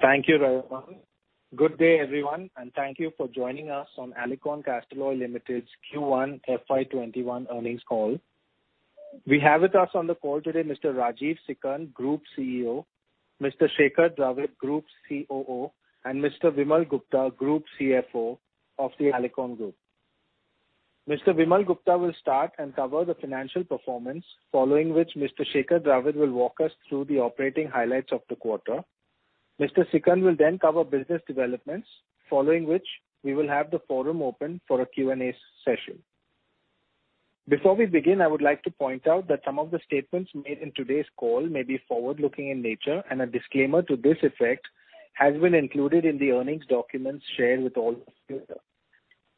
Thank you, Raymond. Good day, everyone, and thank you for joining us on Alicon Castalloy Limited's Q1 FY 2021 earnings call. We have with us on the call today Mr. Rajeev Sikand, Group CEO, Mr. Shekhar Dravid, Group COO, and Mr. Vimal Gupta, Group CFO of the Alicon Group. Mr. Vimal Gupta will start and cover the financial performance, following which Mr. Shekhar Dravid will walk us through the operating highlights of the quarter. Mr. Sikand will then cover business developments, following which we will have the forum open for a Q&A session. Before we begin, I would like to point out that some of the statements made in today's call may be forward-looking in nature, and a disclaimer to this effect has been included in the earnings documents shared with all of you here.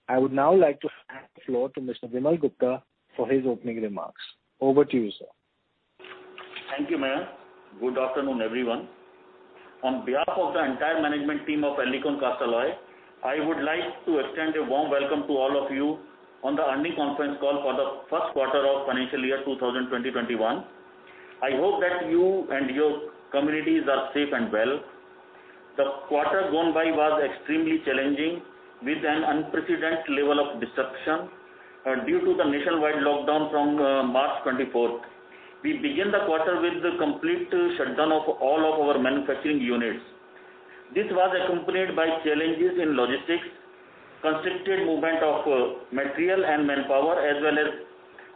I would now like to hand the floor to Mr. Vimal Gupta for his opening remarks. Over to you, sir. Thank you, Mayank. Good afternoon, everyone. On behalf of the entire management team of Alicon Castalloy, I would like to extend a warm welcome to all of you on the earnings conference call for the first quarter of financial year 2020/2021. I hope that you and your communities are safe and well. The quarter gone by was extremely challenging, with an unprecedented level of disruption due to the nationwide lockdown from March 24th. We began the quarter with the complete shutdown of all of our manufacturing units. This was accompanied by challenges in logistics, constricted movement of material and manpower, as well as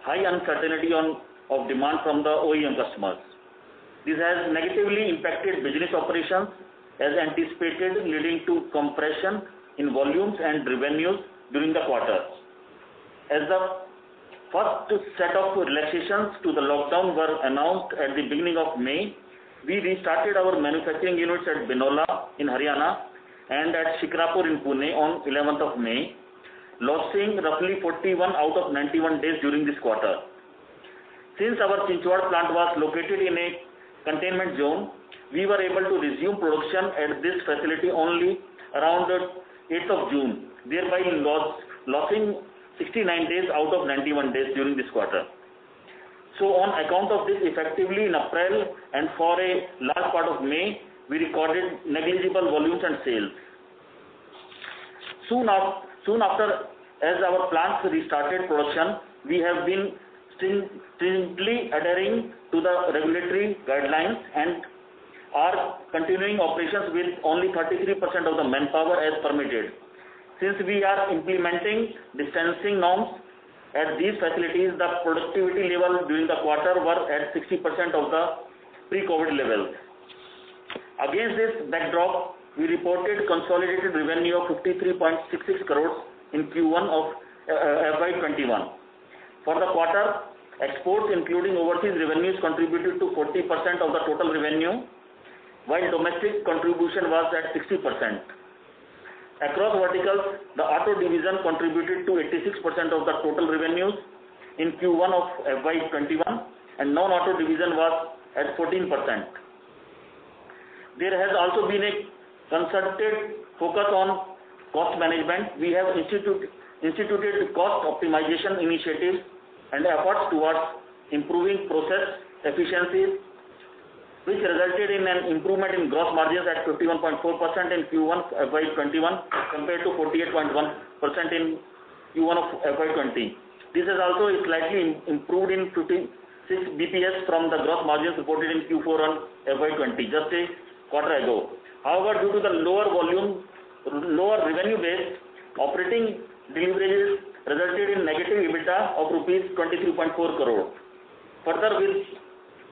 high uncertainty of demand from the OEM customers. This has negatively impacted business operations as anticipated, leading to compression in volumes and revenues during the quarter. As the first set of relaxations to the lockdown were announced at the beginning of May, we restarted our manufacturing units at Binola in Haryana and at Chinchwad in Pune on 11th of May, losing roughly 41 out of 91 days during this quarter. Since our Chinchwad plant was located in a containment zone, we were able to resume production at this facility only around the 8th of June, thereby losing 69 days out of 91 days during this quarter. On account of this, effectively in April and for a large part of May, we recorded negligible volumes and sales. Soon after, as our plants restarted production, we have been strictly adhering to the regulatory guidelines and are continuing operations with only 33% of the manpower as permitted. Since we are implementing distancing norms at these facilities, the productivity level during the quarter was at 60% of the pre-COVID levels. Against this backdrop, we reported consolidated revenue of 53.66 crore in Q1 of FY 2021. For the quarter, exports including overseas revenues contributed to 40% of the total revenue, while domestic contribution was at 60%. Across verticals, the auto division contributed to 86% of the total revenues in Q1 of FY 2021, and non-auto division was at 14%. There has also been a concerted focus on cost management. We have instituted cost optimization initiatives and efforts towards improving process efficiency, which resulted in an improvement in gross margins at 51.4% in Q1 FY 2021, as compared to 48.1% in Q1 of FY 2020. This has also slightly improved in 56 basis points from the gross margins reported in Q4 on FY 2020, just a quarter ago. However, due to the lower revenue base, operating deliverables resulted in negative EBITDA of INR 23.4 crore. Further,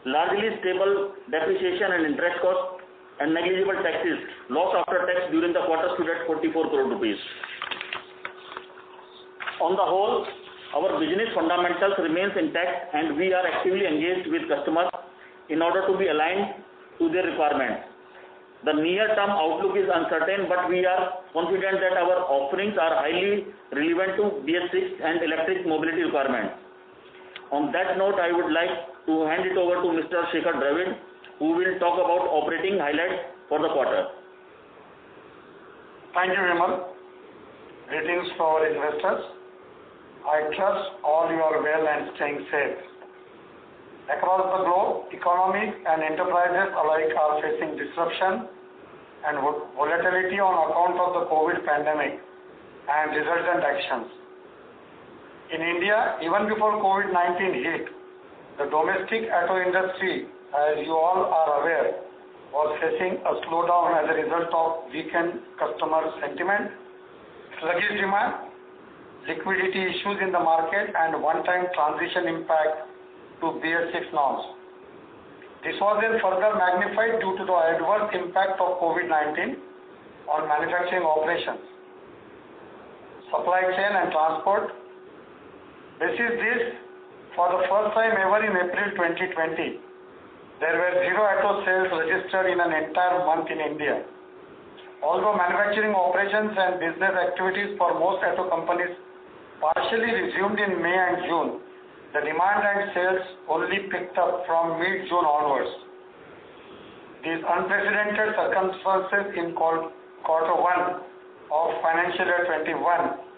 with largely stable depreciation and interest cost and negligible taxes, loss after tax during the quarter stood at 44 crore rupees. On the whole, our business fundamentals remains intact and we are actively engaged with customers in order to be aligned to their requirements. The near-term outlook is uncertain, but we are confident that our offerings are highly relevant to BS6 and electric mobility requirements. On that note, I would like to hand it over to Mr. Shekhar Dravid, who will talk about operating highlights for the quarter. Thank you, Vimal. Greetings for our investors. I trust all you are well and staying safe. Across the globe, economies and enterprises alike are facing disruption and volatility on account of the COVID pandemic and resultant actions. In India, even before COVID-19 hit, the domestic auto industry, as you all are aware, was facing a slowdown as a result of weakened customer sentiment, sluggish demand, liquidity issues in the market, and one-time transition impact to BS6 norms. This was further magnified due to the adverse impact of COVID-19 on manufacturing operations, supply chain, and transport. For the first time ever in April 2020, there were zero auto sales registered in an entire month in India. Although manufacturing operations and business activities for most auto companies partially resumed in May and June, the demand and sales only picked up from mid-June onwards. These unprecedented circumstances in quarter one of financial year 2021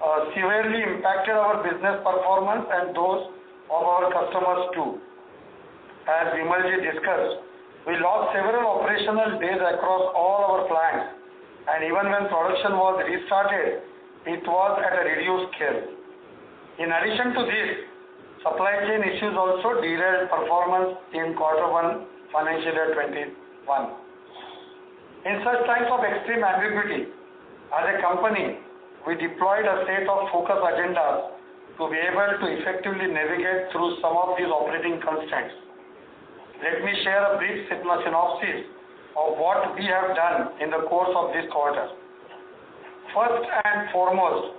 severely impacted our business performance and those of our customers too. As Vimalji discussed, we lost several operational days across all our plants, and even when production was restarted, it was at a reduced scale. In addition to this, supply chain issues also derailed performance in quarter one, financial year 2021. In such times of extreme ambiguity, as a company, we deployed a set of focus agendas to be able to effectively navigate through some of these operating constraints. Let me share a brief synopsis of what we have done in the course of this quarter. First and foremost,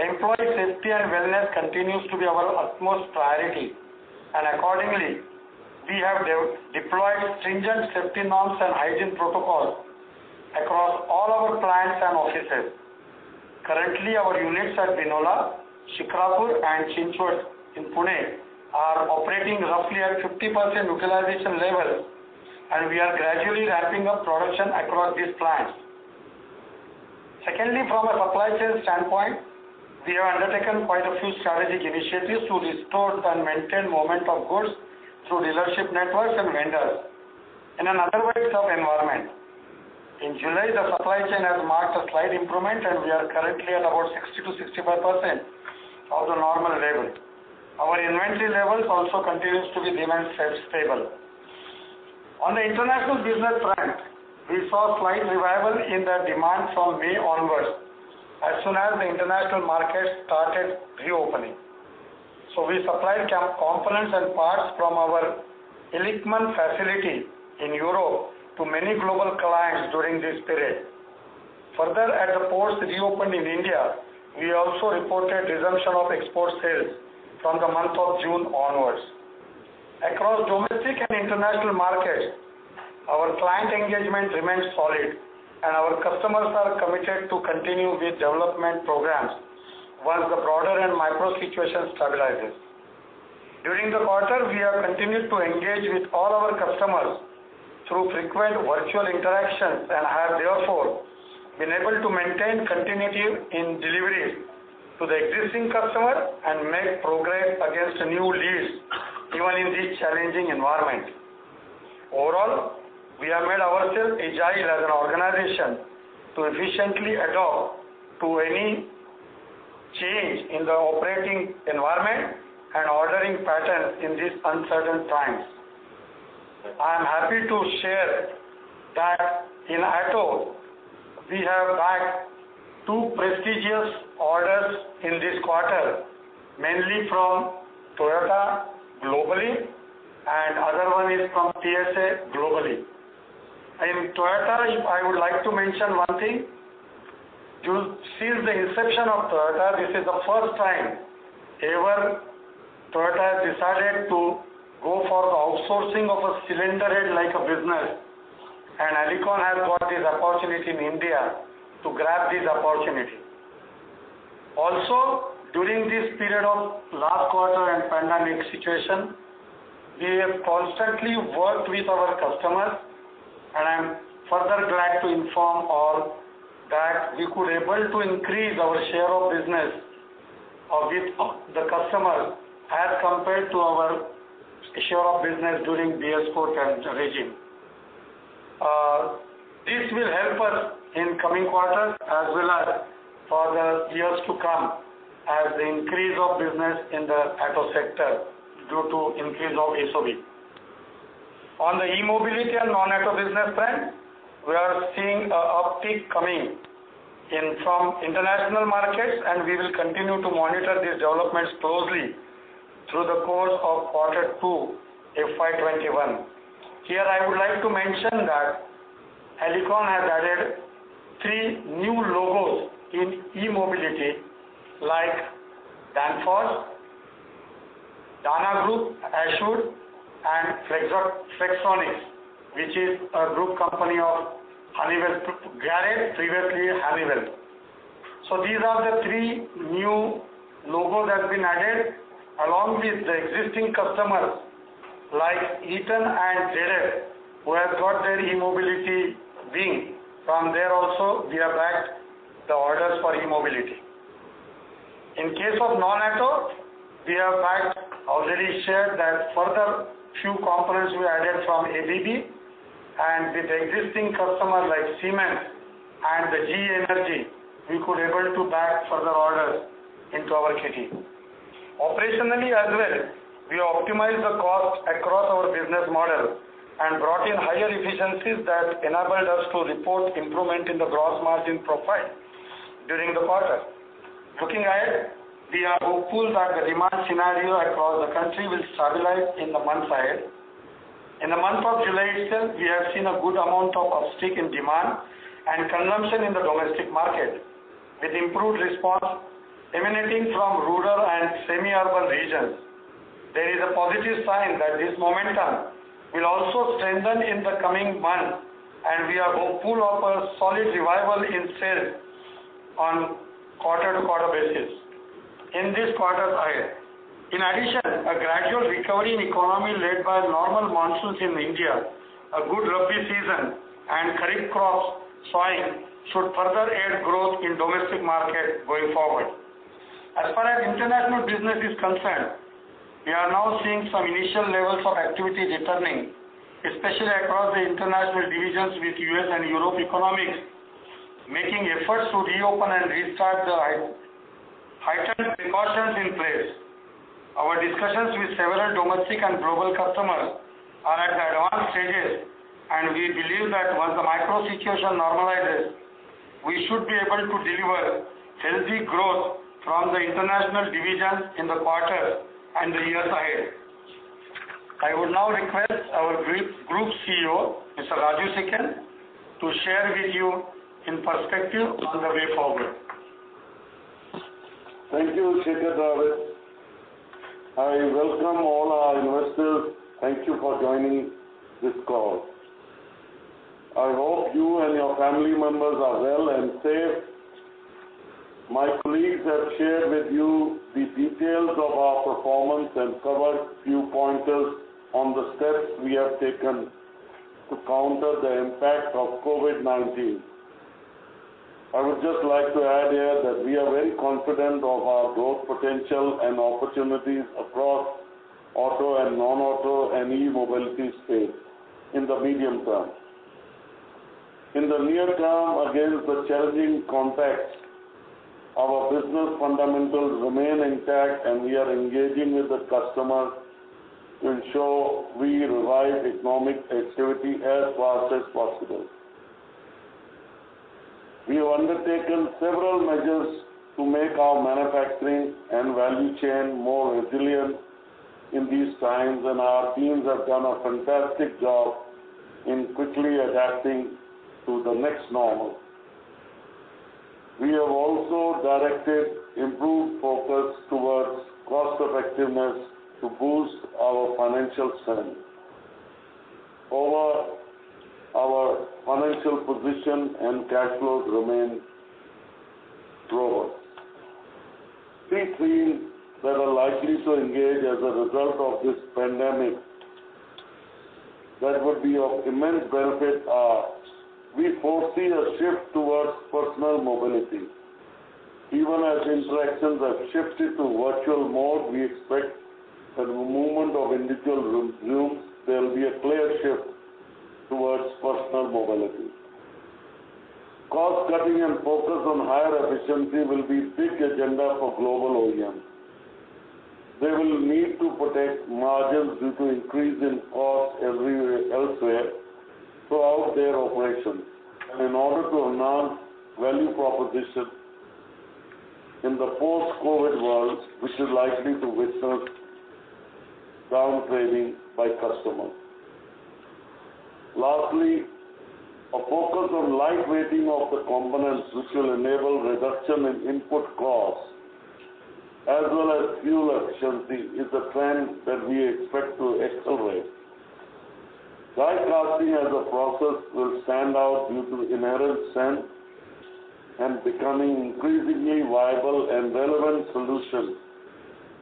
employee safety and wellness continues to be our utmost priority, and accordingly, we have deployed stringent safety norms and hygiene protocols across all our plants and offices. Currently, our units at Binola, Shikrapur, and Chinchwad in Pune are operating roughly at 50% utilization level, and we are gradually ramping up production across these plants. Secondly, from a supply chain standpoint, we have undertaken quite a few strategic initiatives to restore and maintain movement of goods through dealership networks and vendors in an otherwise tough environment. In July, the supply chain has marked a slight improvement, and we are currently at about 60%-65% of the normal level. Our inventory levels also continues to remain stable. On the international business front, we saw slight revival in the demand from May onwards, as soon as the international markets started reopening. We supplied components and parts from our Illichmann facility in Europe to many global clients during this period. Further, as the ports reopened in India, we also reported resumption of export sales from the month of June onwards. Across domestic and international markets, our client engagement remains solid, and our customers are committed to continue with development programs once the broader and micro situation stabilizes. During the quarter, we have continued to engage with all our customers through frequent virtual interactions and have therefore been able to maintain continuity in deliveries to the existing customer and make progress against new leads, even in this challenging environment. Overall, we have made ourselves agile as an organization to efficiently adapt to any change in the operating environment and ordering patterns in these uncertain times. I am happy to share that in auto, we have bagged two prestigious orders in this quarter, mainly from Toyota globally, and other one is from PSA globally. In Toyota, I would like to mention one thing. Since the inception of Toyota, this is the first time ever Toyota has decided to go for the outsourcing of a cylinder head like a business, and Alicon has got this opportunity in India to grab this opportunity. During this period of last quarter and pandemic situation, we have constantly worked with our customers, and I'm further glad to inform all that we could able to increase our share of business with the customer as compared to our share of business during BS4 regime. This will help us in coming quarters as well as for the years to come, as the increase of business in the auto sector due to increase of SOB. On the e-mobility and non-auto business front, we are seeing a uptick coming in from international markets. We will continue to monitor these developments closely through the course of Q2 FY 2021. Here, I would like to mention that Alicon has added three new logos in e-mobility like Danfoss, Dana Group, Ashud, and Flexonics, which is a group company of Garrett, previously Honeywell. These are the three new logos that have been added along with the existing customers like Eaton and ZF, who have got their e-mobility wing. From there also, we have bagged the orders for e-mobility. In case of non-auto, we have bagged, already shared that further few components we added from ABB and with existing customers like Siemens and the GE Energy, we could able to bag further orders into our kitty. Operationally as well, we optimized the cost across our business model and brought in higher efficiencies that enabled us to report improvement in the gross margin profile during the quarter. Looking ahead, we are hopeful that the demand scenario across the country will stabilize in the months ahead. In the month of July itself, we have seen a good amount of uptick in demand and consumption in the domestic market, with improved response emanating from rural and semi-urban regions. There is a positive sign that this momentum will also strengthen in the coming months, and we are hopeful of a solid revival in sales on quarter-to-quarter basis. In this quarter ahead. In addition, a gradual recovery in economy led by normal monsoons in India, a good Rabi season and kharif crops sowing should further aid growth in domestic market going forward. As far as international business is concerned, we are now seeing some initial levels of activity returning, especially across the international divisions with U.S. and Europe economies, making efforts to reopen and restart the heightened precautions in place. Our discussions with several domestic and global customers are at advanced stages, and we believe that once the macro situation normalizes, we should be able to deliver healthy growth from the international divisions in the quarter and the years ahead. I would now request our Group CEO, Mr. Rajeev Sikand, to share with you in perspective on the way forward. Thank you, Shekhar Dravid. I welcome all our investors. Thank you for joining this call. I hope you and your family members are well and safe. My colleagues have shared with you the details of our performance and covered a few pointers on the steps we have taken to counter the impact of COVID-19. I would just like to add here that we are very confident of our growth potential and opportunities across auto and non-auto and e-mobility space in the medium term. In the near term, against the challenging context, our business fundamentals remain intact, and we are engaging with the customers to ensure we revive economic activity as fast as possible. We have undertaken several measures to make our manufacturing and value chain more resilient in these times, and our teams have done a fantastic job in quickly adapting to the next normal. We have also directed improved focus towards cost-effectiveness to boost our financial strength. Our financial position and cash flows remain robust. Three themes that are likely to engage as a result of this pandemic that would be of immense benefit are: we foresee a shift towards personal mobility. Even as interactions have shifted to virtual mode, we expect that movement of individual resumes, there will be a clear shift towards personal mobility. Cost cutting and focus on higher efficiency will be big agenda for global OEMs. They will need to protect margins due to increase in costs everywhere elsewhere throughout their operations, in order to announce value proposition in the post-COVID world, which is likely to witness down trading by customers. Lastly, a focus on light weighting of the components, which will enable reduction in input costs as well as fuel efficiency, is a trend that we expect to accelerate. die casting as a process will stand out due to inherent strength and becoming increasingly viable and relevant solution,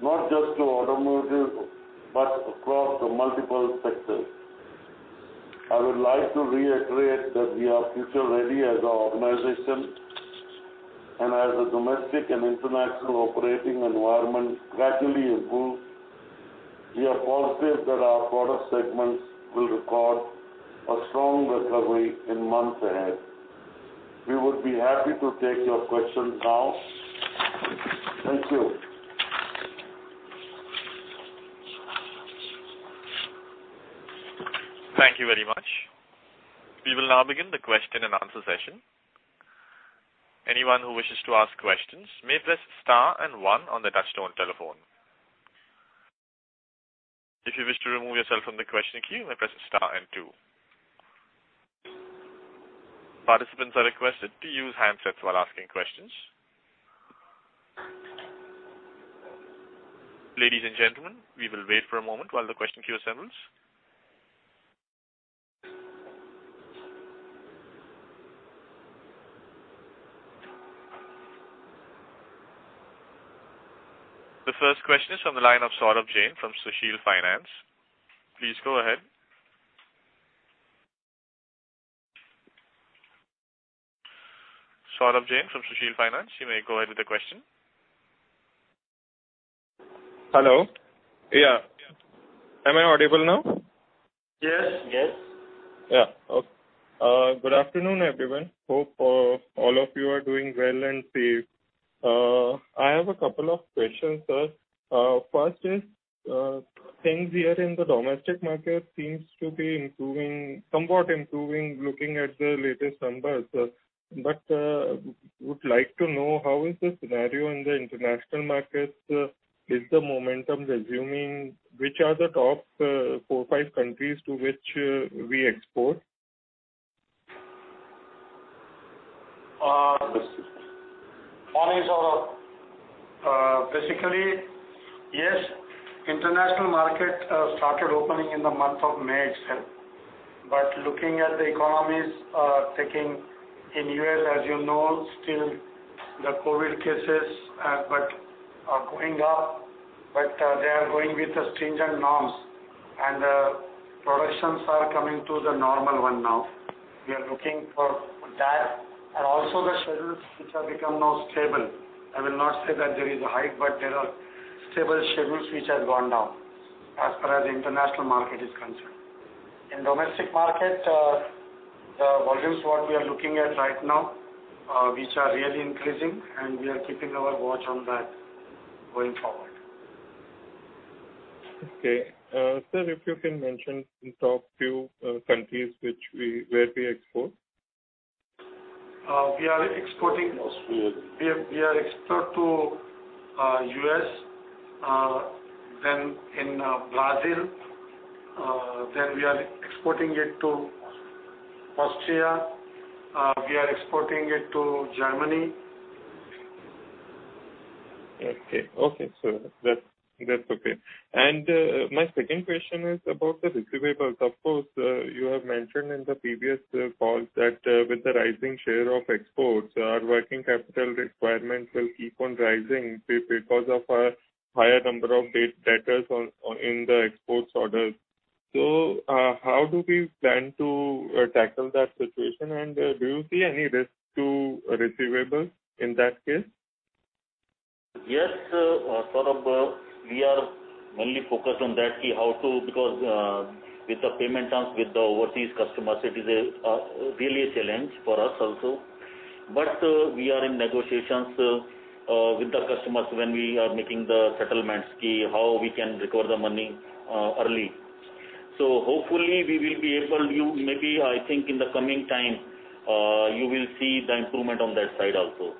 not just to automotive, but across the multiple sectors. I would like to reiterate that we are future ready as a organization, as the domestic and international operating environment gradually improves, we are positive that our product segments will record a strong recovery in months ahead. We would be happy to take your questions now. Thank you. Thank you very much. We will now begin the question and answer session. Anyone who wishes to ask questions may press star and one on the touchtone telephone. If you wish to remove yourself from the question queue, you may press star and two. Participants are requested to use handsets while asking questions. Ladies and gentlemen, we will wait for a moment while the question queue assembles. The first question is from the line of Saurabh Jain from Sushil Finance. Please go ahead. Saurabh Jain from Sushil Finance, you may go ahead with the question. Hello. Yeah. Am I audible now? Yes. Yes. Yeah. Okay. Good afternoon, everyone. Hope all of you are doing well and safe. I have a couple of questions, sir. First is, things here in the domestic market seems to be somewhat improving, looking at the latest numbers. Would like to know how is the scenario in the international markets? Is the momentum resuming? Which are the top four, five countries to which we export? Basically, yes, international market started opening in the month of May itself. Looking at the economies, taking in U.S., as you know, still the COVID cases are going up, but they are going with the stringent norms and productions are coming to the normal one now. We are looking for that. Also the schedules which have become now stable. I will not say that there is a hike, but there are stable schedules which have gone down, as far as the international market is concerned. In domestic market, the volumes what we are looking at right now, which are really increasing, and we are keeping our watch on that going forward. Okay. Sir, if you can mention top few countries where we export. We are exporting- Austria. We export to U.S., then in Brazil, then we are exporting it to Austria, we are exporting it to Germany. Okay. That's okay. My second question is about the receivables. Of course, you have mentioned in the previous calls that with the rising share of exports, our working capital requirements will keep on rising because of a higher number of debt debtors in the exports orders. How do we plan to tackle that situation, and do you see any risk to receivables in that case? Yes, Saurabh, we are mainly focused on that, because with the payment terms with the overseas customers, it is really a challenge for us also. We are in negotiations with the customers when we are making the settlements, how we can recover the money early. Hopefully we will be able. Maybe, I think in the coming time, you will see the improvement on that side also.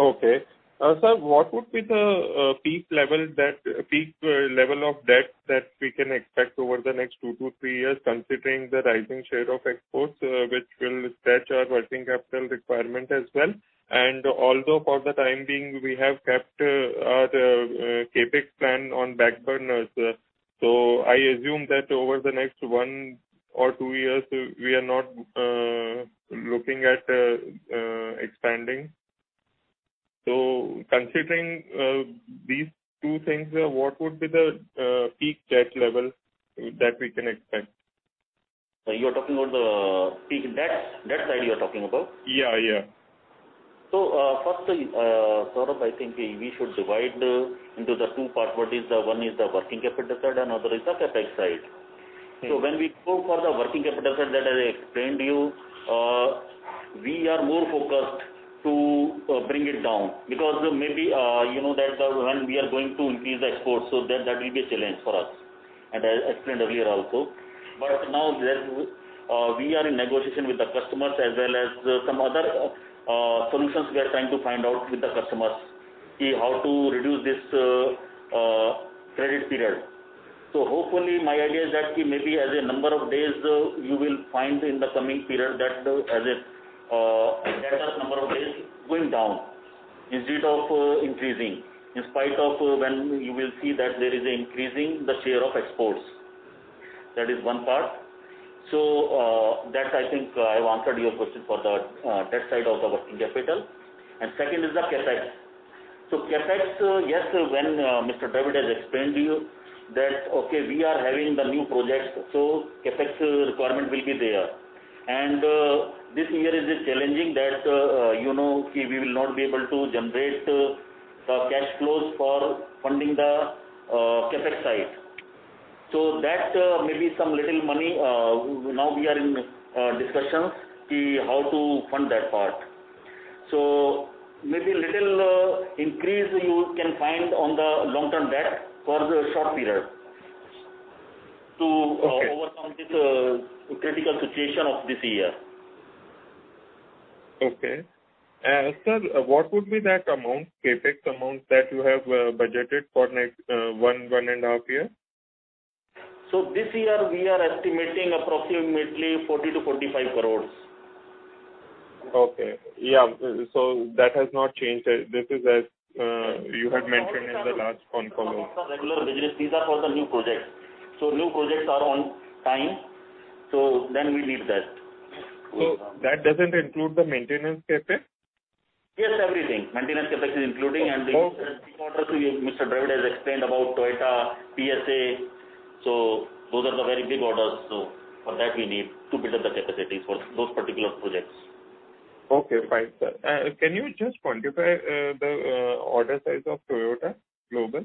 Okay. Sir, what would be the peak level of debt that we can expect over the next two to three years, considering the rising share of exports, which will stretch our working capital requirement as well? Although for the time being, we have kept the CapEx plan on back burners. I assume that over the next one or two years, we are not looking at expanding. Considering these two things, what would be the peak debt level that we can expect? You're talking about the peak debt? Debt side you're talking about? Yeah. First, Saurabh, I think we should divide into the two parts. One is the working capital side, another is the CapEx side. When we go for the working capital side that I explained to you, we are more focused to bring it down. Maybe, you know that when we are going to increase the exports, that will be a challenge for us, and I explained earlier also. Now we are in negotiation with the customers as well as some other solutions we are trying to find out with the customers, how to reduce this credit period. Hopefully, my idea is that maybe as a number of days, you will find in the coming period that as a debtor number of days going down instead of increasing, in spite of when you will see that there is an increase in the share of exports. That is one part. That I think I've answered your question for the debt side of the working capital. Second is the CapEx. CapEx, yes, when Mr. Dravid has explained to you that, okay, we are having the new projects, CapEx requirement will be there. This year is challenging that we will not be able to generate cash flows for funding the CapEx side. That maybe some little money, now we are in discussions how to fund that part. Maybe little increase you can find on the long-term debt for the short period to overcome this critical situation of this year. Okay. Sir, what would be that amount, CapEx amount that you have budgeted for next one and a half year? This year we are estimating approximately 40 crores-45 crores. Okay. Yeah. That has not changed. This is as you had mentioned in the last conference call. These are for the new projects. New projects are on time. We need that. That doesn't include the maintenance CapEx? Yes, everything. Maintenance CapEx is including and the orders Mr. Dravid has explained about Toyota, PSA. Those are the very big orders. For that, we need to build up the capacity for those particular projects. Okay, fine sir. Can you just quantify the order size of Toyota global,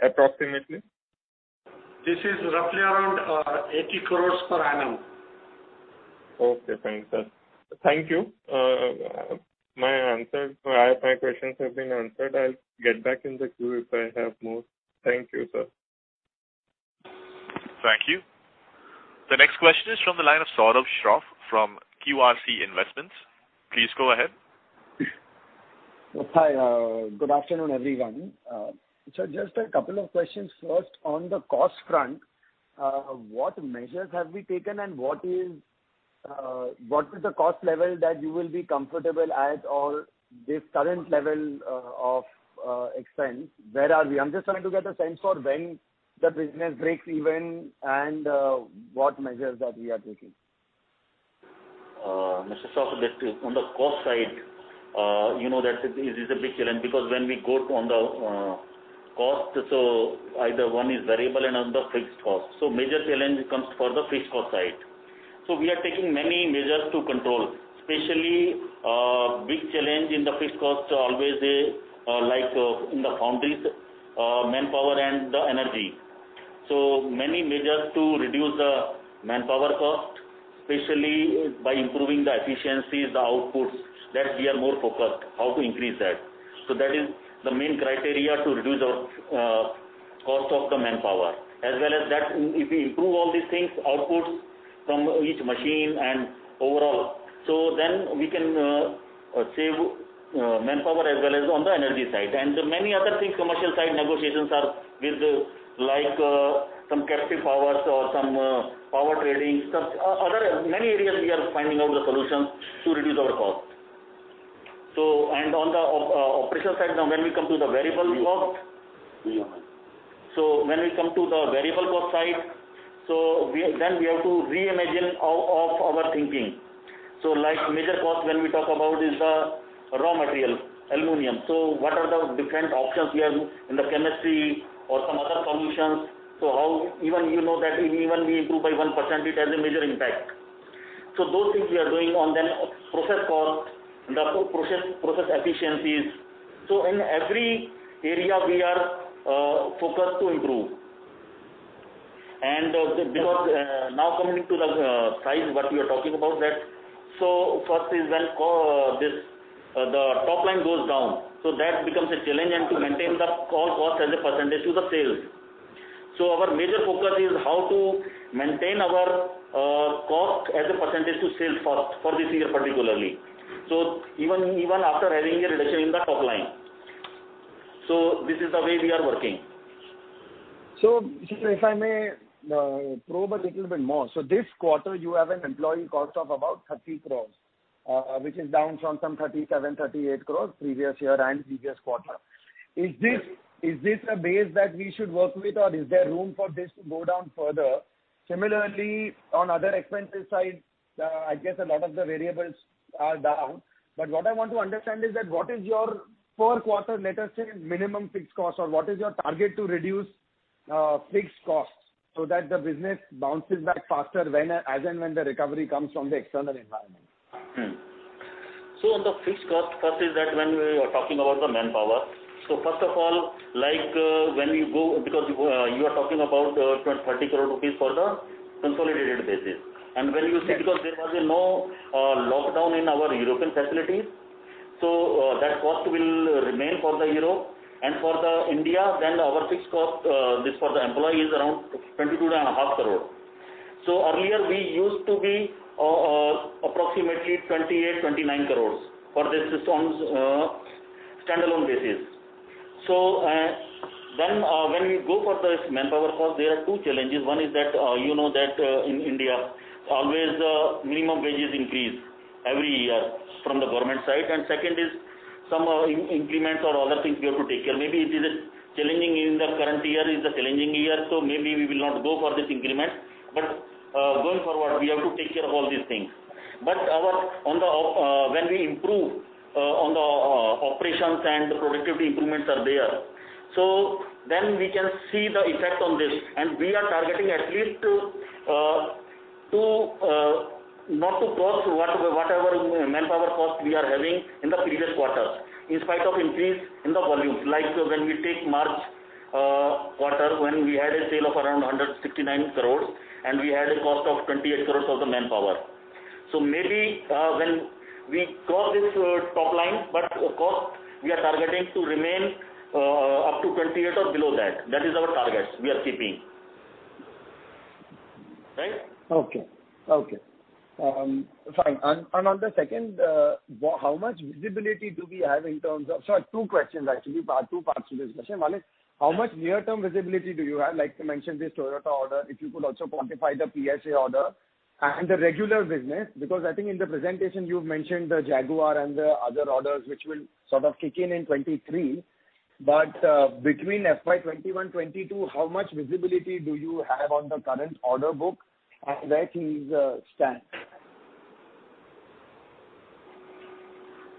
approximately? This is roughly around 80 crores per annum. Okay, fine sir. Thank you. My questions have been answered. I'll get back in the queue if I have more. Thank you, sir. Thank you. The next question is from the line of Saurabh Shroff from QRC Investments. Please go ahead. Hi. Good afternoon, everyone. Sir, just a couple of questions. First, on the cost front, what measures have we taken and what is the cost level that you will be comfortable at, or this current level of expense? Where are we? I'm just trying to get a sense for when the business breaks even and what measures that we are taking. Mr. Saurabh, on the cost side, you know that this is a big challenge. When we go on the cost, either one is variable and another fixed cost. Major challenge comes for the fixed cost side. We are taking many measures to control, especially big challenge in the fixed cost always is, like in the foundries, manpower and the energy. Many measures to reduce the manpower cost, especially by improving the efficiencies, the outputs, that we are more focused how to increase that. That is the main criteria to reduce our cost of the manpower. As well as that, if we improve all these things, outputs from each machine and overall, then we can save manpower as well as on the energy side. Many other things, commercial side negotiations are with like some captive powers or some power trading. Many areas we are finding out the solutions to reduce our cost. On the operational side, now, when we come to the variable cost. When we come to the variable cost side, then we have to reimagine all of our thinking. Like major cost when we talk about is the raw material, aluminum. What are the different options we have in the chemistry or some other combinations. How even you know that even we improve by 1%, it has a major impact. Those things we are doing on then process cost and the process efficiencies. In every area, we are focused to improve. Because now coming to the price, what we are talking about that, first is when the top line goes down. That becomes a challenge and to maintain the all cost as a percentage to the sales. Our major focus is how to maintain our cost as a percentage to sales first for this year particularly. Even after having a reduction in the top line. This is the way we are working. If I may probe a little bit more. This quarter you have an employee cost of about 30 crore, which is down from some 37 crore-38 crore previous year and previous quarter. Is this a base that we should work with or is there room for this to go down further? Similarly, on other expenses side, I guess a lot of the variables are down. What I want to understand is that what is your per quarter, let us say, minimum fixed cost or what is your target to reduce fixed costs so that the business bounces back faster as and when the recovery comes from the external environment. On the fixed cost, first is that when we are talking about the manpower. First of all, because you are talking about 30 crore rupees for the consolidated basis. When you see because there was no lockdown in our European facilities, so that cost will remain for the Europe and for the India, then our fixed cost this for the employee is around 22.5 crore. Earlier we used to be approximately 28 crore-29 crore for this on standalone basis. When we go for this manpower cost there are two challenges. One is that, you know that in India always minimum wages increase every year from the government side. Second is some increments or other things we have to take care. Maybe it is challenging in the current year, it's a challenging year, so maybe we will not go for this increment. Going forward, we have to take care of all these things. When we improve on the operations and productivity improvements are there. Then we can see the effect on this and we are targeting at least to not to cross whatever manpower cost we are having in the previous quarters in spite of increase in the volumes. Like when we take March quarter when we had a sale of around 169 crore and we had a cost of 28 crore of the manpower. Maybe when we cross this top line, but cost we are targeting to remain up to 28 or below that. That is our target we are keeping. Right? Okay. Fine. On the second, how much visibility do we have? Sorry, two questions actually, two parts to this question. One is, how much near-term visibility do you have, like you mentioned this Toyota order, if you could also quantify the PSA order and the regular business because I think in the presentation you've mentioned the Jaguar and the other orders which will sort of kick in in 2023. Between FY 2021, FY 2022, how much visibility do you have on the current order book and where things stand?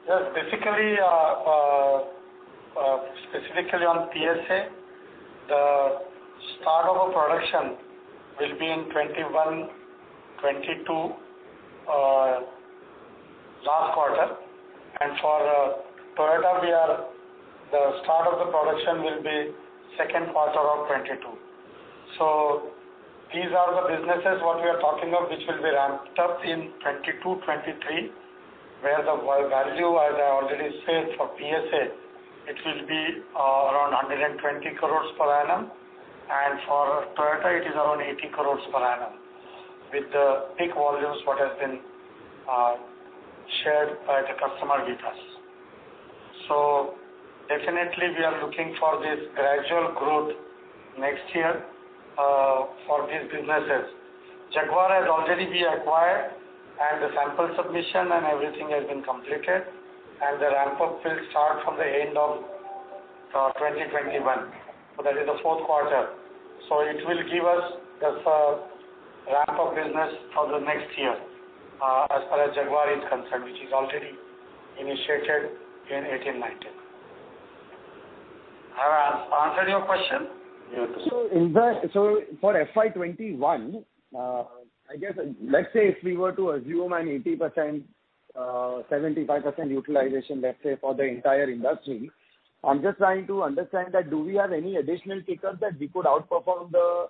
Yes, specifically on PSA, the start of a production will be in 2021, 2022, last quarter. For Toyota, the start of the production will be second quarter of 2022. These are the businesses what we are talking of which will be ramped up in 2022, 2023, where the value as I already said for PSA it will be around 120 crore per annum and for Toyota it is around 80 crore per annum with the peak volumes what has been shared by the customer with us. Definitely we are looking for this gradual growth next year for these businesses. Jaguar has already been acquired, and the sample submission and everything has been completed, and the ramp-up will start from the end of 2021. That is the fourth quarter. It will give us this ramp-up business for the next year, as far as Jaguar is concerned, which is already initiated in 2018/2019. Have I answered your question? Yes. For FY 2021, let's say if we were to assume an 80%, 75% utilization, let's say, for the entire industry, I'm just trying to understand that do we have any additional kicker that we could outperform the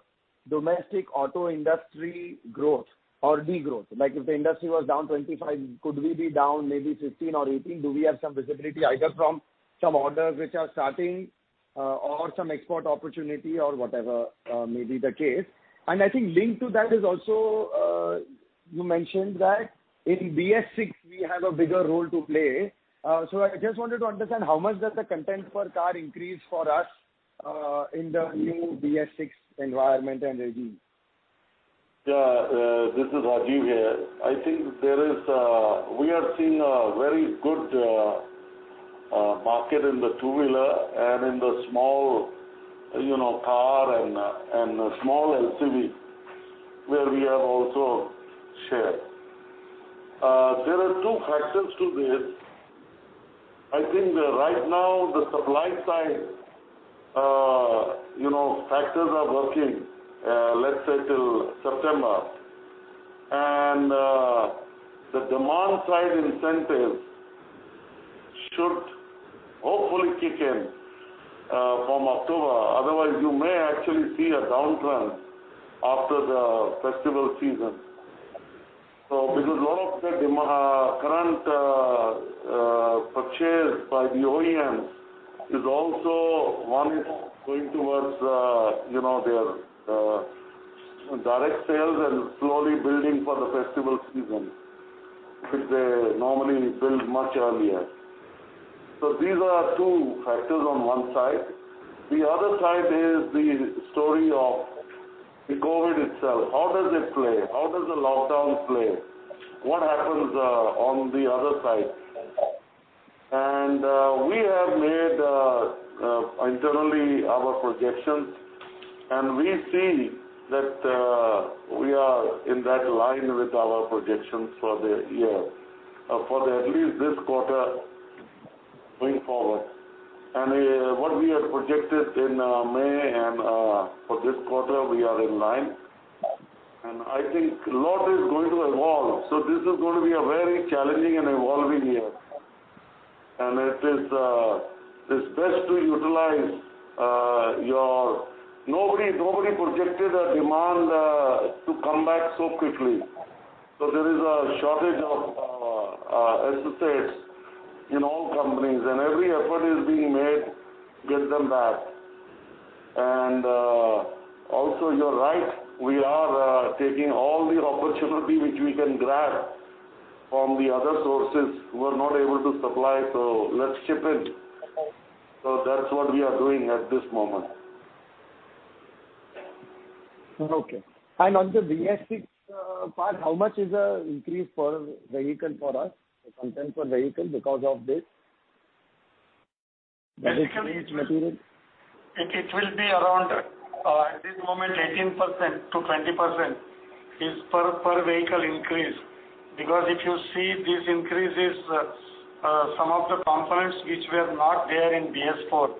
domestic auto industry growth or de-growth? Like if the industry was down 25%, could we be down maybe 15% or 18%? Do we have some visibility either from some orders which are starting or some export opportunity or whatever may be the case? I think linked to that is also, you mentioned that in BS6, we have a bigger role to play. I just wanted to understand how much does the content per car increase for us in the new BS6 environment and regime? Yeah. This is Rajeev here. I think we are seeing a very good market in the two-wheeler and in the small car and small LCV, where we have also shared. There are two factors to this. I think that right now the supply side factors are working, let's say till September. The demand side incentives should hopefully kick in from October. Otherwise, you may actually see a downtrend after the festival season. Because a lot of the current purchase by the OEMs is also one is going towards their direct sales and slowly building for the festival season, which they normally build much earlier. These are two factors on one side. The other side is the story of the COVID itself. How does it play? How does the lockdown play? What happens on the other side? We have made internally our projections, and we see that we are in that line with our projections for the year, for at least this quarter going forward. What we had projected in May and for this quarter, we are in line. I think a lot is going to evolve. This is going to be a very challenging and evolving year. Nobody projected a demand to come back so quickly. There is a shortage of associates in all companies, and every effort is being made, get them back. Also, you're right, we are taking all the opportunity which we can grab from the other sources who are not able to supply. Let's chip in. That's what we are doing at this moment. Okay. On the BS6 part, how much is the increase per vehicle for us? The content per vehicle because of this? It will be around, at this moment, 18%-20% is per vehicle increase. If you see these increases, some of the components which were not there in BS4,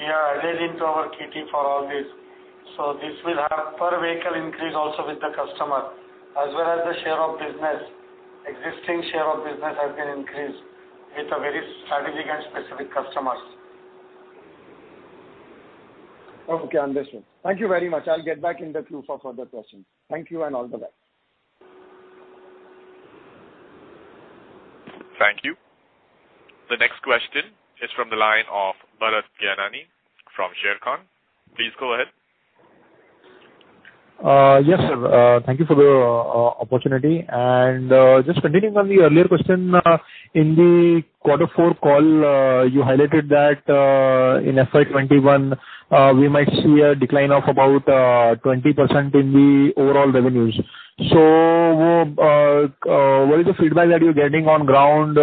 we are adding to our KT for all this. This will have per vehicle increase also with the customer, as well as the share of business. Existing share of business has been increased with a very strategic and specific customers. Okay, understood. Thank you very much. I'll get back in the queue for further questions. Thank you and all the best. Thank you. The next question is from the line of Bharat Gianani from Sharekhan. Please go ahead. Yes, sir. Thank you for the opportunity. Just continuing on the earlier question, in the quarter four call, you highlighted that in FY 2021, we might see a decline of about 20% in the overall revenues. What is the feedback that you're getting on ground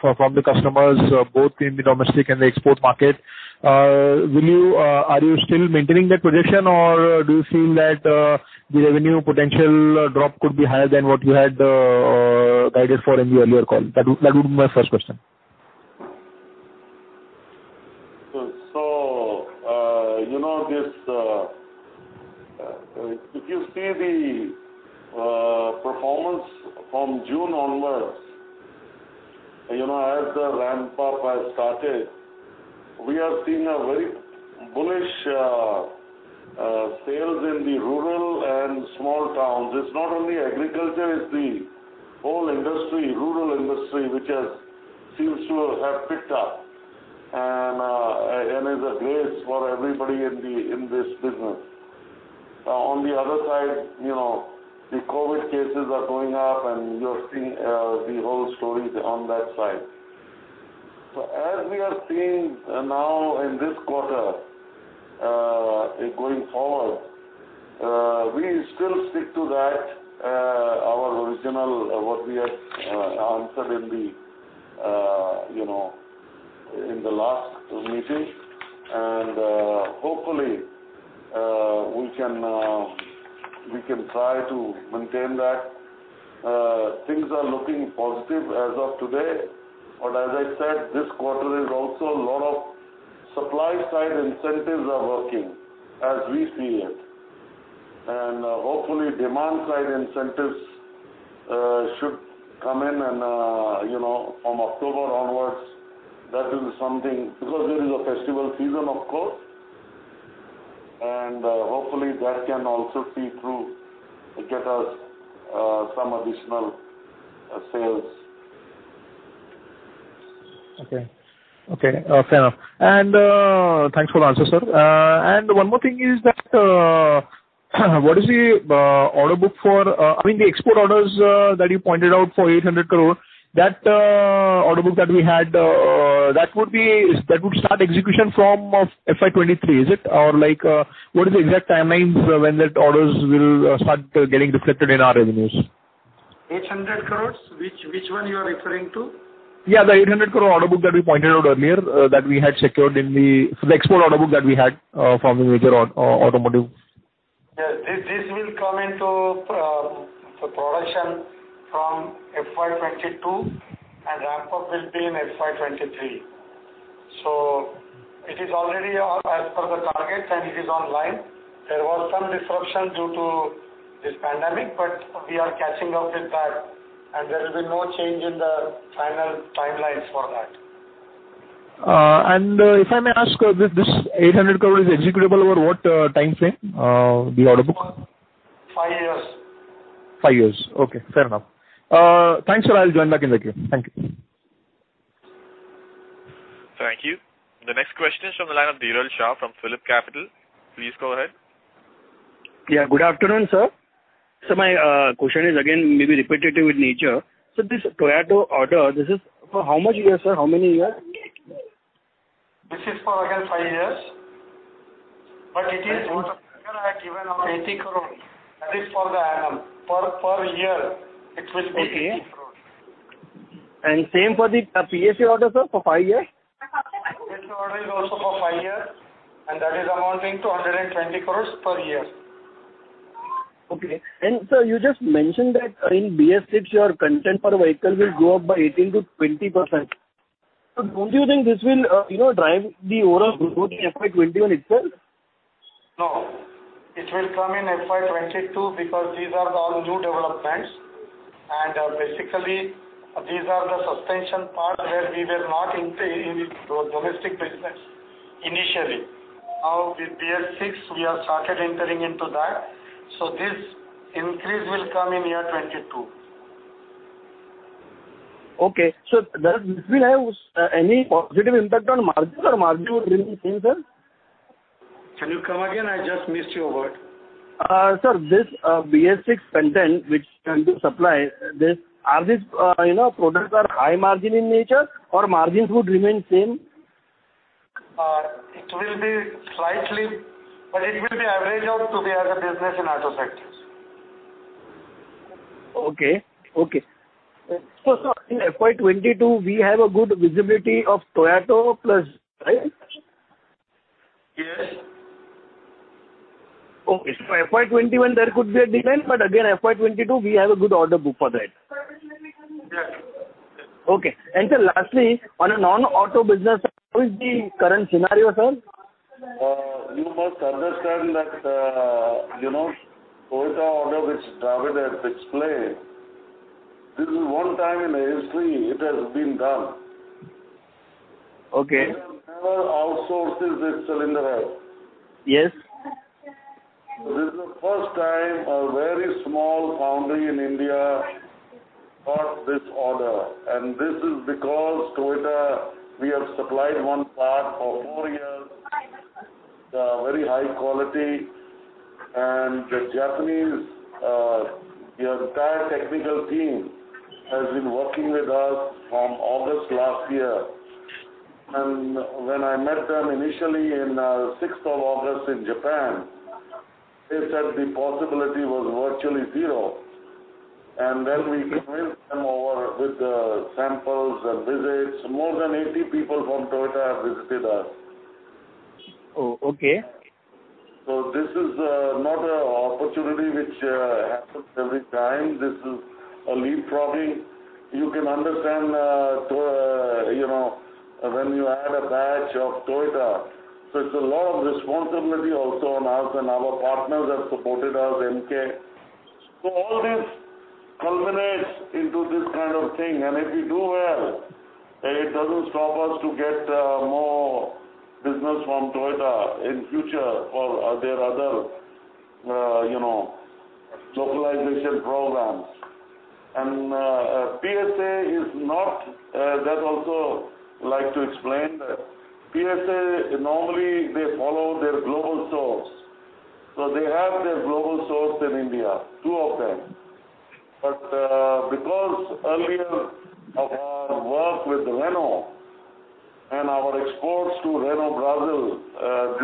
from the customers, both in the domestic and the export market? Are you still maintaining that projection, or do you feel that the revenue potential drop could be higher than what you had guided for in the earlier call? That would be my first question. If you see the performance from June onwards, as the ramp-up has started, we are seeing a very bullish sales in the rural and small towns. It's not only agriculture, it's the whole industry, rural industry, which seems to have picked up and is a grace for everybody in this business. On the other side, the COVID cases are going up, and you're seeing the whole story on that side. As we are seeing now in this quarter, going forward, we still stick to our original, what we had answered in the last meeting, and hopefully we can try to maintain that. Things are looking positive as of today. As I said, this quarter is also a lot of supply side incentives are working as we see it. Hopefully, demand side incentives should come in from October onwards. That is something, because it is a festival season, of course. Hopefully, that can also see through to get us some additional sales. Okay. Fair enough. Thanks for the answer, sir. One more thing is that, what is the order book, I mean, the export orders that you pointed out for 800 crore, that order book that we had, that would start execution from FY 2023, is it? Or what is the exact timelines when that orders will start getting reflected in our revenues? 800 crore? Which one you are referring to? Yeah, the 800 crore order book that we pointed out earlier that we had secured in the export order book that we had from the major automotive. Yes. This will come into production from FY 2022, and ramp up will be in FY 2023. It is already as per the targets, and it is online. There was some disruption due to this pandemic, but we are catching up with that, and there will be no change in the final timelines for that. If I may ask, this 800 crore is executable over what time frame, the order book? Five years. Five years. Okay. Fair enough. Thanks, sir. I'll join back in the queue. Thank you. Thank you. The next question is from the line of Dhiral Shah from PhillipCapital. Please go ahead. Yeah, good afternoon, sir. My question is, again, maybe repetitive in nature. This Toyota order, this is for how much years, sir? How many years? This is for, again, five years, but it is given 80 crore. That is for the annum. Per year, it will be 80 crore. Okay. Same for the PSA order, sir, for five years? PSA order is also for five years, and that is amounting to 120 crore per year. Okay. Sir, you just mentioned that in BS VI your content per vehicle will go up by 18%-20%. Don't you think this will drive the overall growth in FY 2021 itself? No, it will come in FY 2022 because these are all new developments. Basically, these are the suspension parts where we were not into any domestic business initially. Now with BS VI, we have started entering into that. This increase will come in year 2022. Okay. This will have any positive impact on margin, or margin will remain the same, sir? Can you come again? I just missed your word. Sir, this BS VI content which you supply, are these products are high margin in nature, or margin would remain same? It will be slightly, but it will be average out to the other business in auto sectors. Okay. sir, in FY 2022, we have a good visibility of Toyota plus, right? Yes. Okay. FY 2021, there could be a decline, but again, FY 2022, we have a good order book for that. Yeah. Okay. Sir, lastly, on a non-auto business, how is the current scenario, sir? You must understand that Toyota order which Dravid had explained, this is one time in history it has been done. Okay. We have never outsourced this cylinder head. Yes. This is the first time a very small foundry in India got this order, and this is because Toyota, we have supplied one part for four years, very high quality. The Japanese, their entire technical team has been working with us from August last year. When I met them initially on sixth of August in Japan, they said the possibility was virtually zero, and then we convinced them over with samples and visits. More than 80 people from Toyota have visited us. Oh, okay. This is not an opportunity which happens every time. This is a leapfrogging. You can understand when you add a batch of Toyota. It's a lot of responsibility also on us, and our partners have supported us, Enkei. All this culminates into this kind of thing, and if we do well, it doesn't stop us to get more business from Toyota in future for their other localization programs. PSA is not that also, I'd like to explain that. PSA, normally they follow their global source. They have their global source in India, two of them. Because earlier of our work with Renault and our exports to Renault, Brazil,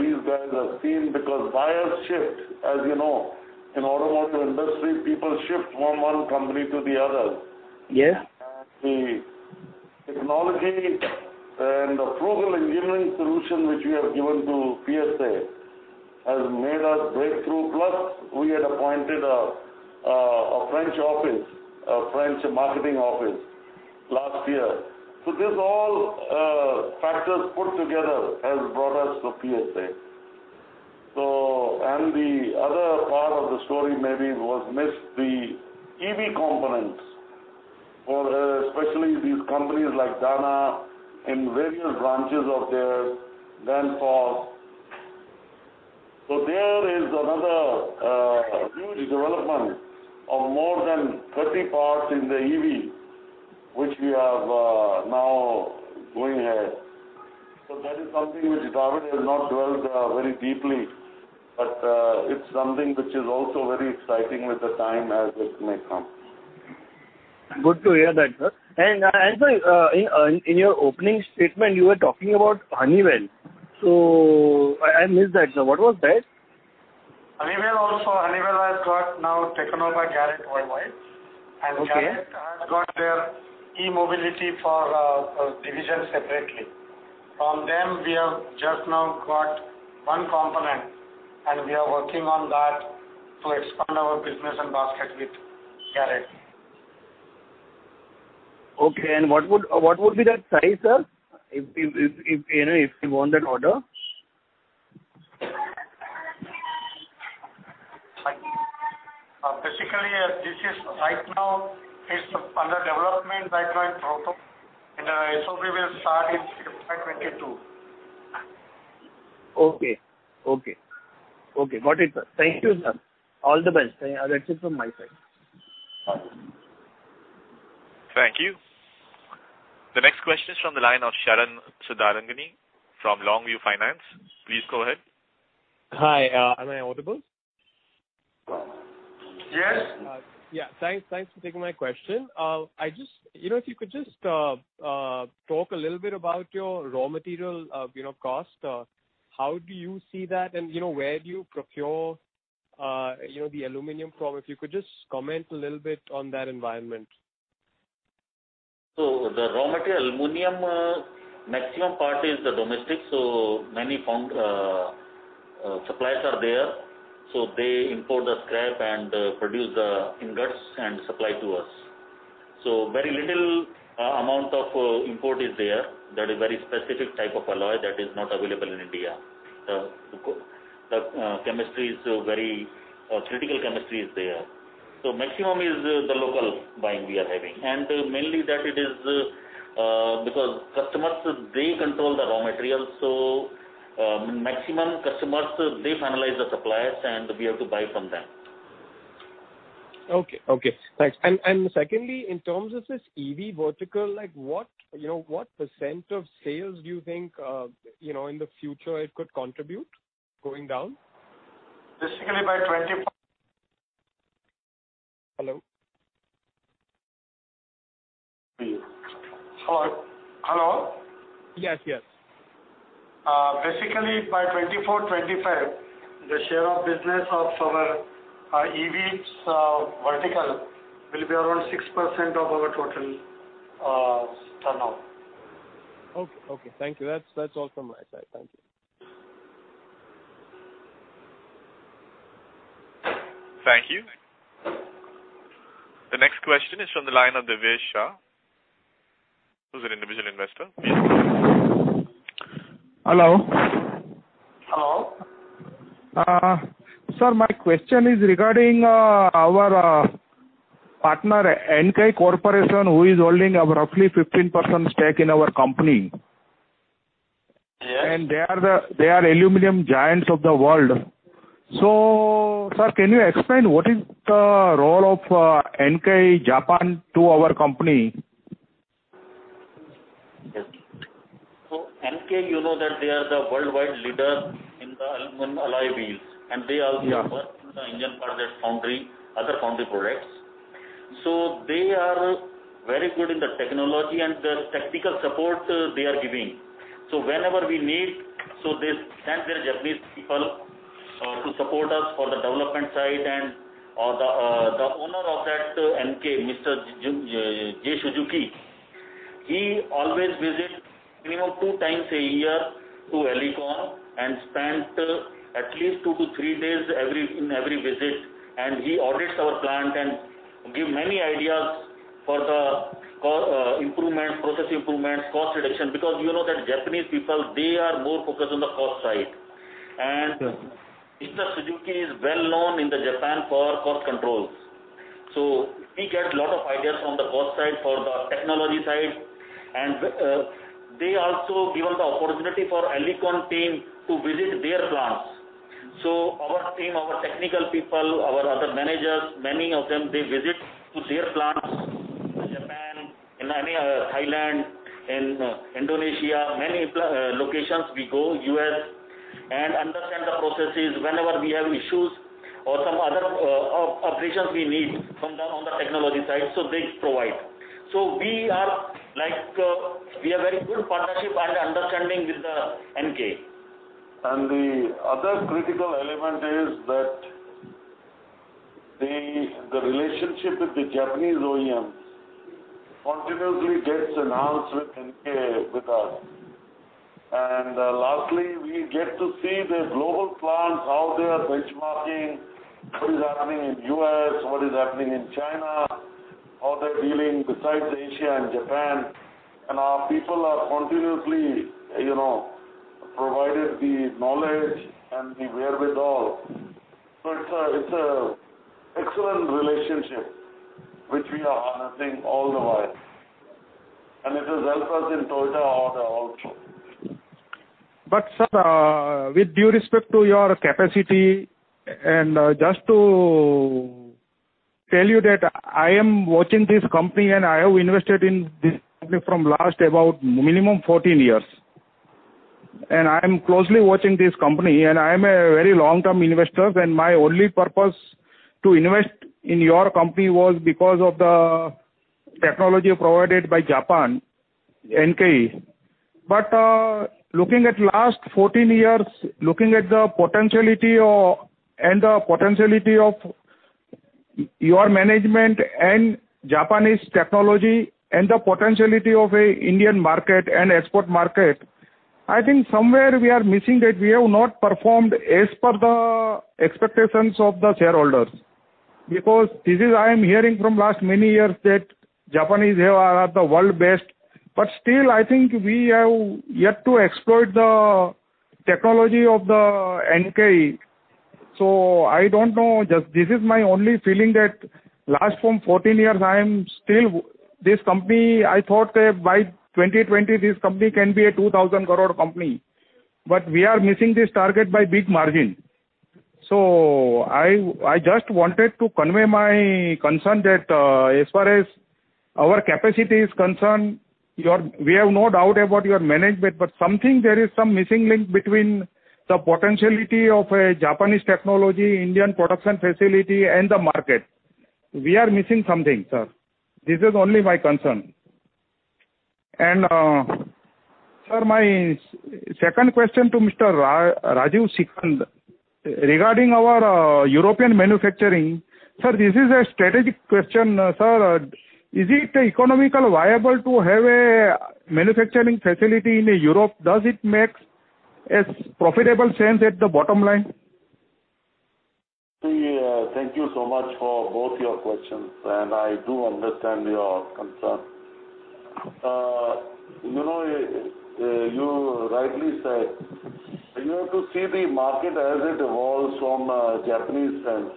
these guys have seen because buyers shift, as you know. In automotive industry, people shift from one company to the other. Yes. The technology and the frugal engineering solution which we have given to PSA has made us breakthrough. We had appointed a French marketing office last year. These all factors put together has brought us to PSA. The other part of the story maybe was missed, the EV components, for especially these companies like Dana in various branches of their Danfoss. There is another huge development of more than 30 parts in the EV, which we have now going ahead. That is something which Dravid has not delved very deeply, but it's something which is also very exciting with the time as it may come. Good to hear that, sir. Sorry, in your opening statement, you were talking about Honeywell. I missed that, sir. What was that? Honeywell has got now taken over by Garrett Worldwide. Okay. Garrett has got their e-mobility for division separately. From them, we have just now got one component, and we are working on that to expand our business and basket with Garrett. Okay. What would be that size, sir, if you won that order? Basically, right now, it's under development, pipeline protocol, and SOP will start in FY 2022. Okay. Got it, sir. Thank you, sir. All the best. That's it from my side. Thank you. The next question is from the line of Sharan Sudarangani from Longview Finance. Please go ahead. Hi. Am I audible? Yes. Yeah. Thanks for taking my question. If you could just talk a little bit about your raw material cost. How do you see that? Where do you procure the aluminum from? If you could just comment a little bit on that environment. The raw material, aluminum, maximum part is the domestic, so many suppliers are there. They import the scrap and produce the ingots and supply to us. Very little amount of import is there, that is very specific type of alloy that is not available in India. The critical chemistry is there. Maximum is the local buying we are having. Mainly that it is because customers, they control the raw materials. Maximum customers, they finalize the suppliers, and we have to buy from them. Okay, thanks. Secondly, in terms of this EV vertical, what percent of sales do you think in the future it could contribute going down? Basically by twenty- Hello? Hello? Yes. Basically, by 2024, 2025, the Share of Business of our EV vertical will be around 6% of our total turnover. Okay. Thank you. That's all from my side. Thank you. Thank you. The next question is from the line of Divyesh Shah, who's an individual investor. Please go ahead. Hello? Hello. Sir, my question is regarding our partner, Enkei Corporation, who is holding a roughly 15% stake in our company. Yes. They are aluminum giants of the world. Sir, can you explain what is the role of Enkei Japan to our company? Yes. Enkei, you know that they are the worldwide leader in the aluminum alloy wheels, and they also work in the engine part, that foundry, other foundry products. They are very good in the technology and the technical support they are giving. Whenever we need, they send their Japanese people to support us for the development side. The owner of that Enkei, Mr. J. Suzuki, he always visits minimum two times a year to Alicon and spend at least two to three days in every visit. He audits our plant and give many ideas for the process improvements, cost reduction, because you know that Japanese people, they are more focused on the cost side. Sure. Mr. Suzuki is well known in the Japan for cost controls. We get lot of ideas For the technology side. They also give us the opportunity for Alicon team to visit their plants. Our team, our technical people, our other managers, many of them, they visit their plants in Japan, in Thailand, in Indonesia, many locations we go, U.S., and understand the processes. Whenever we have issues or some other operations we need from them on the technology side, so they provide. We have very good partnership and understanding with the Enkei. The other critical element is that the relationship with the Japanese OEMs continuously gets enhanced with Enkei, with us. Lastly, we get to see their global plants, how they are benchmarking, what is happening in U.S., what is happening in China, how they're dealing besides Asia and Japan. Our people are continuously provided the knowledge and the wherewithal. It's an excellent relationship which we are harnessing all the while, and it has helped us in Toyota order also. Sir, with due respect to your capacity, just to tell you that I am watching this company and I have invested in this company from last about minimum 14 years. I'm closely watching this company, and I'm a very long-term investor, and my only purpose to invest in your company was because of the technology provided by Japan, Enkei. Looking at last 14 years, looking at the potentiality, and the potentiality of your management and Japanese technology, and the potentiality of a Indian market and export market, I think somewhere we are missing that we have not performed as per the expectations of the shareholders. This is, I am hearing from last many years that Japanese have the world best, but still, I think we have yet to exploit the technology of the Enkei. I don't know, just this is my only feeling that last from 14 years, I thought that by 2020, this company can be a 2,000 crore company, but we are missing this target by big margin. I just wanted to convey my concern that, as far as our capacity is concerned, we have no doubt about your management, but something, there is some missing link between the potentiality of a Japanese technology, Indian production facility, and the market. We are missing something, sir. This is only my concern. Sir, my second question to Mr. Rajeev Sikand, regarding our European manufacturing. Sir, this is a strategic question. Sir, is it economically viable to have a manufacturing facility in Europe? Does it make a profitable sense at the bottom line? Thank you so much for both your questions, and I do understand your concern. You rightly said, you have to see the market as it evolves from a Japanese sense.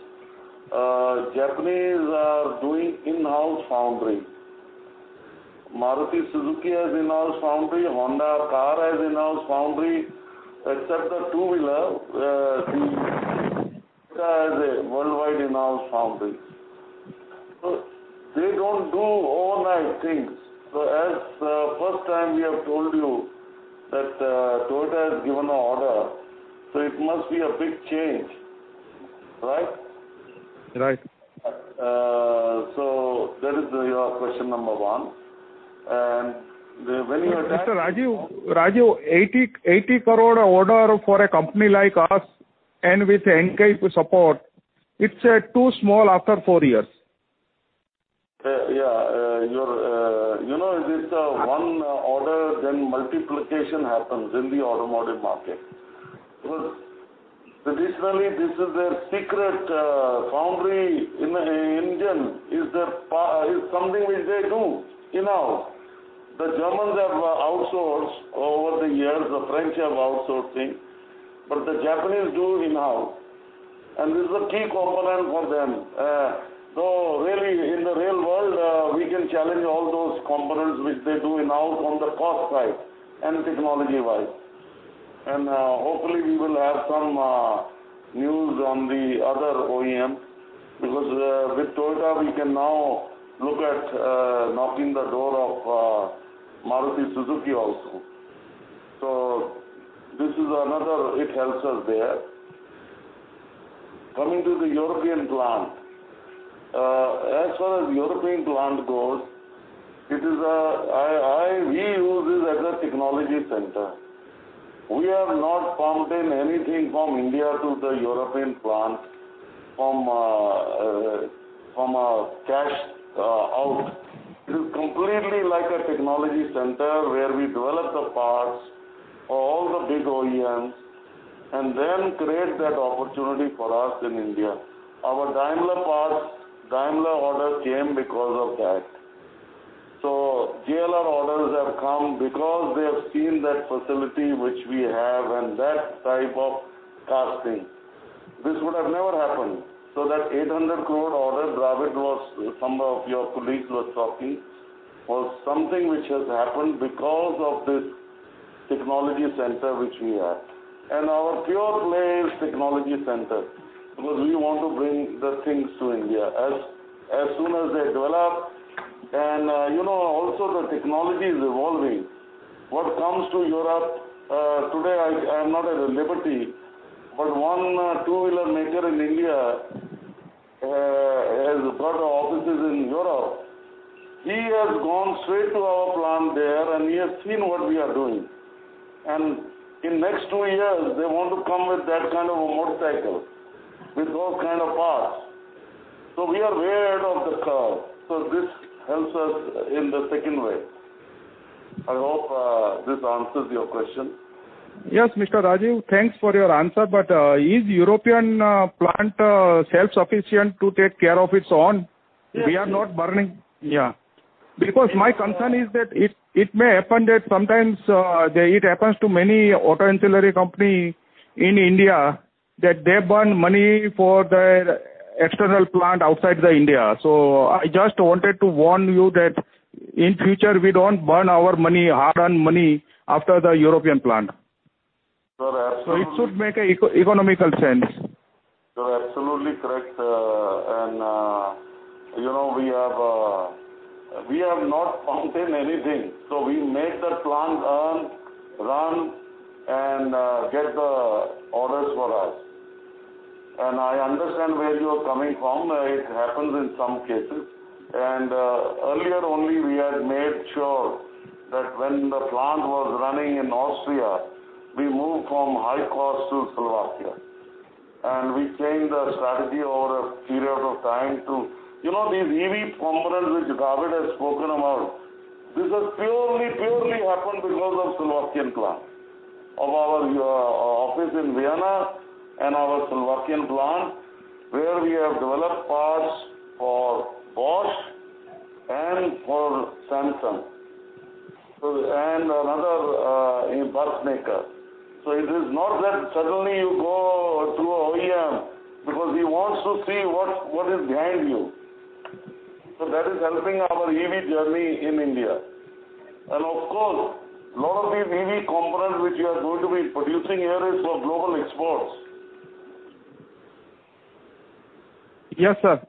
Japanese are doing in-house foundry. Maruti Suzuki has in-house foundry. Honda car has in-house foundry. Except the two-wheeler, has a worldwide in-house foundry. They don't do overnight things. As first time we have told you that Toyota has given a order, so it must be a big change, right? Right. That is your question number one. Mr. Rajeev, 80 crore order for a company like us and with Enkei support, it's too small after four years. Yeah. You know this one order, multiplication happens in the automotive market. Traditionally, this is their secret foundry in Indian, is something which they do in-house. The Germans have outsourced over the years, the French have outsourcing, the Japanese do in-house. This is a key component for them. Really, in the real world, we can challenge all those components which they do in-house from the cost side and technology-wise. Hopefully, we will have some news on the other OEM, because with Toyota, we can now look at knocking the door of Maruti Suzuki also. This is another, it helps us there. Coming to the European plant. As far as European plant goes, we use it as a technology center. We have not pumped in anything from India to the European plant from a cash out. It is completely like a technology center where we develop the parts for all the big OEMs, and then create that opportunity for us in India. Our Daimler order came because of that. JLR orders have come because they have seen that facility which we have and that type of casting. This would have never happened. That 800 crore order Dravid was, some of your colleagues were talking, was something which has happened because of this technology center which we have, and our pure play is technology center, because we want to bring the things to India as soon as they develop. Also, the technology is evolving. What comes to Europe today, I am not at a liberty, but one two-wheeler maker in India has got offices in Europe. He has gone straight to our plant there, and he has seen what we are doing. In next two years, they want to come with that kind of a motorcycle, with those kind of parts. We are way ahead of the curve, so this helps us in the second way. I hope this answers your question. Yes, Mr. Rajeev. Thanks for your answer. Is European plant self-sufficient to take care of its own? Yes. We are not burning. Yeah. My concern is that it may happen that sometimes, it happens to many auto ancillary company in India, that they burn money for their external plant outside the India. I just wanted to warn you that in future, we don't burn our hard-earned money after the European plant. You're absolutely- It should make economical sense. You're absolutely correct. We have not pumped in anything. We made the plant earn, run, and get the orders for us. I understand where you're coming from. It happens in some cases. Earlier only we had made sure that when the plant was running in Austria, we moved from high cost to Slovakia, and we changed the strategy over a period of time to these EV components which Dravid has spoken about. This has purely happened because of Slovakian plant, of our office in Vienna and our Slovakian plant, where we have developed parts for Bosch and for Samsung, and another [impulse maker. It is not that suddenly you go to a OEM, because he wants to see what is behind you. That is helping our EV journey in India. Of course, lot of these EV components which we are going to be producing here is for global exports. Yes, sir.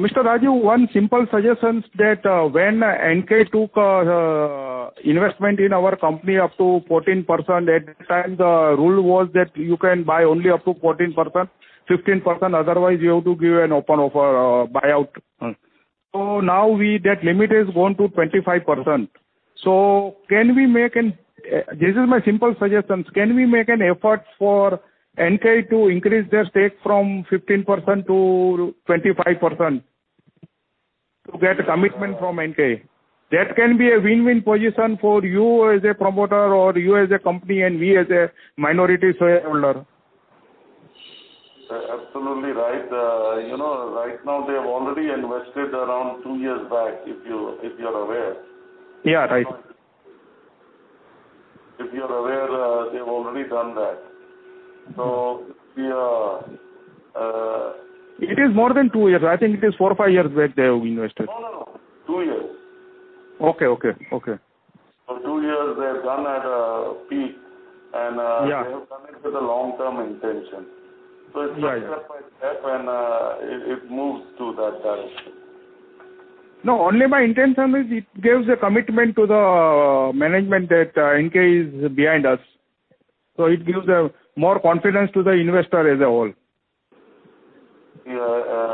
Mr. Rajeev, one simple suggestion is that, when Enkei took investment in our company up to 14%, at that time the rule was that you can buy only up to 14%, 15%, otherwise you have to give an open offer buyout. Now, that limit has gone to 25%. This is my simple suggestion. Can we make an effort for Enkei to increase their stake from 15%-25%, to get commitment from Enkei? That can be a win-win position for you as a promoter or you as a company and we as a minority shareholder. Absolutely right. Right now they've already invested around two years back, if you're aware. Yeah, right. If you're aware, they've already done that. It is more than two years. I think it is four or five years back they have invested. No. Two years. Okay. Two years they've done at a peak. Yeah. They have come in with a long-term intention. Right. It's step by step, and it moves to that direction. No, only my intention is it gives a commitment to the management that Enkei is behind us. It gives more confidence to the investor as a whole. Yeah.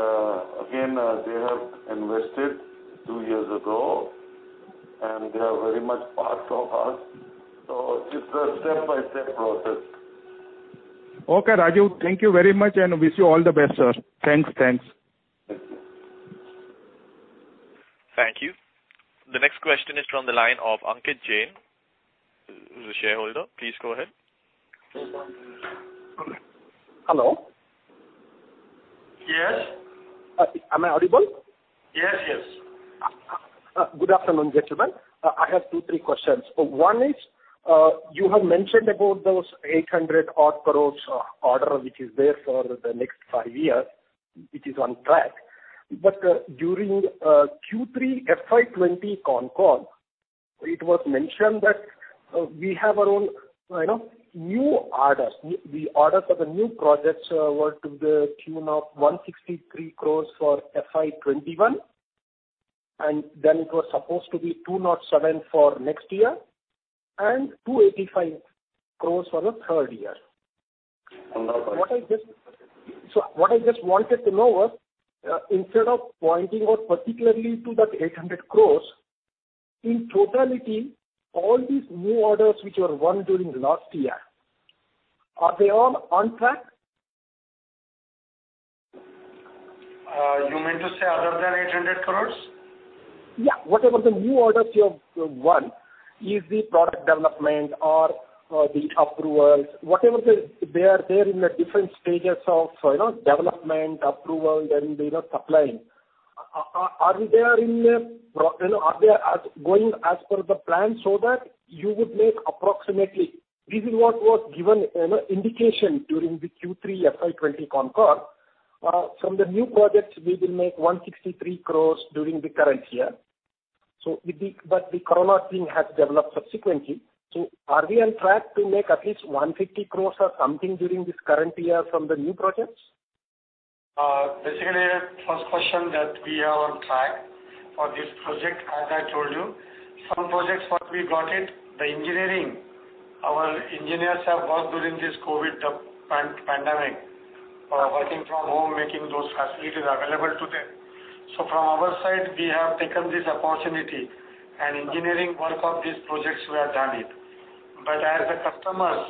Again, they have invested two years ago, and they are very much part of us, so it is a step-by-step process. Okay, Rajeev. Thank you very much, and wish you all the best, sir. Thanks. Thank you. Thank you. The next question is from the line of Ankit Jain, who's a shareholder. Please go ahead. Hello. Yes. Am I audible? Yes. Good afternoon, gentlemen. I have two, three questions. One is, you have mentioned about those 800 odd crore order, which is there for the next five years, which is on track. During Q3 FY 2020 con call, it was mentioned that we have our own new orders. The order for the new projects were to the tune of 163 crore for FY 2021, and then it was supposed to be 207 for next year, and 285 crore for the third year. No problem. What I just wanted to know was, instead of pointing out particularly to that 800 crore, in totality, all these new orders which were won during last year, are they all on track? You mean to say other than 800 crore? Whatever the new orders you have won, is the product development or the approvals, whatever they are there in the different stages of development, approval, then supplying. Are they going as per the plan so that you would make approximately, this is what was given in indication during the Q3 FY 2020 con call. From the new projects, we will make 163 crore during the current year. The corona thing has developed subsequently. Are we on track to make at least 150 crore or something during this current year from the new projects? First question that we are on track for this project, as I told you. Some projects, once we got it, the engineering, our engineers have worked during this COVID pandemic, working from home, making those facilities available to them. From our side, we have taken this opportunity and engineering work of these projects we have done it. As the customers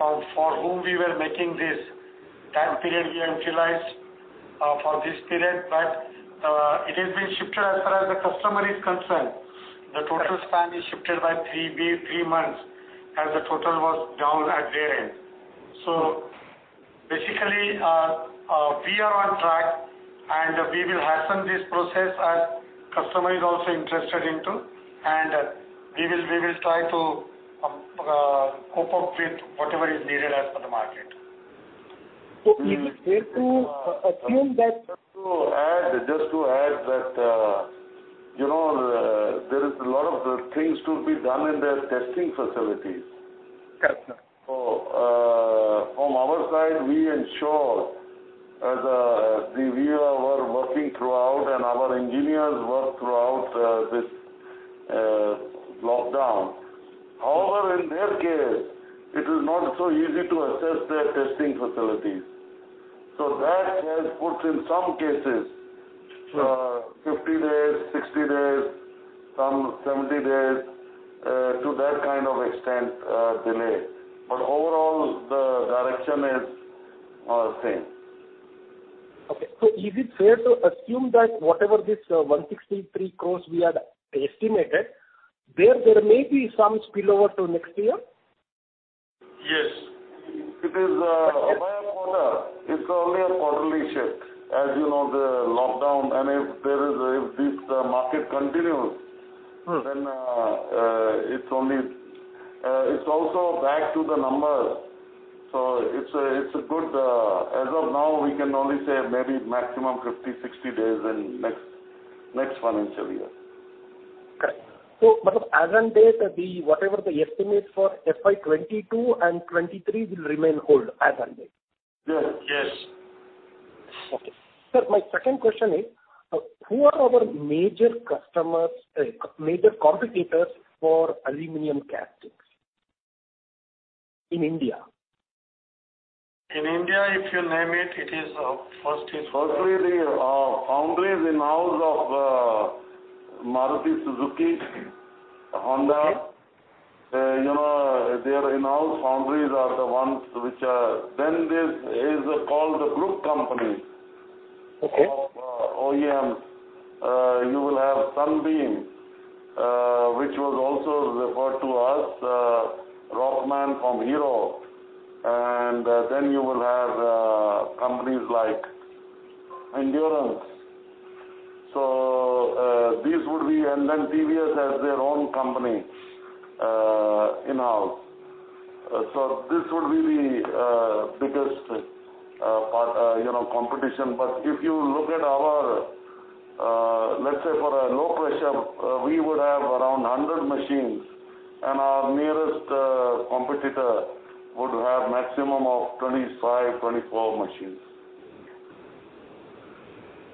for whom we were making this time period we utilized for this period, but it has been shifted as far as the customer is concerned. The total span is shifted by three months, as the total was down at their end. Basically, we are on track, and we will hasten this process as customer is also interested into, and we will try to cope up with whatever is needed as per the market. So is it fair to assume that Just to add that there is a lot of things to be done in their testing facilities. Correct, sir. From our side, we ensure as we were working throughout and our engineers worked throughout this lockdown. However, in their case, it is not so easy to assess their testing facilities. That has put in some cases 50 days, 60 days, some 70 days, to that kind of extent, delay. Overall, the direction is all same. Okay. Is it fair to assume that whatever this 163 crore we had estimated, there may be some spillover to next year? Yes. It is a one quarter. It's only a quarterly shift. As you know, the lockdown, and if this market continues. It's also back to the numbers. It's good. As of now, we can only say maybe maximum 50, 60 days in next financial year. Okay. As on date, whatever the estimates for FY 2022 and FY 2023 will remain hold as on date. Yes. Okay. Sir, my second question is, who are our major competitors for aluminum castings in India? In India, if you name it is firstly- Firstly, the foundries in-house of Maruti Suzuki, Honda. Okay. Their in-house foundries are the ones which are. This is called group companies- Okay. ...of OEMs. You will have Sunbeam, which was also referred to us, Rockman from Hero, and you will have companies like Endurance. TVS has their own company in-house. This would be the biggest competition. If you look at our, let's say for a low pressure, we would have around 100 machines, and our nearest competitor would have maximum of 25, 24 machines.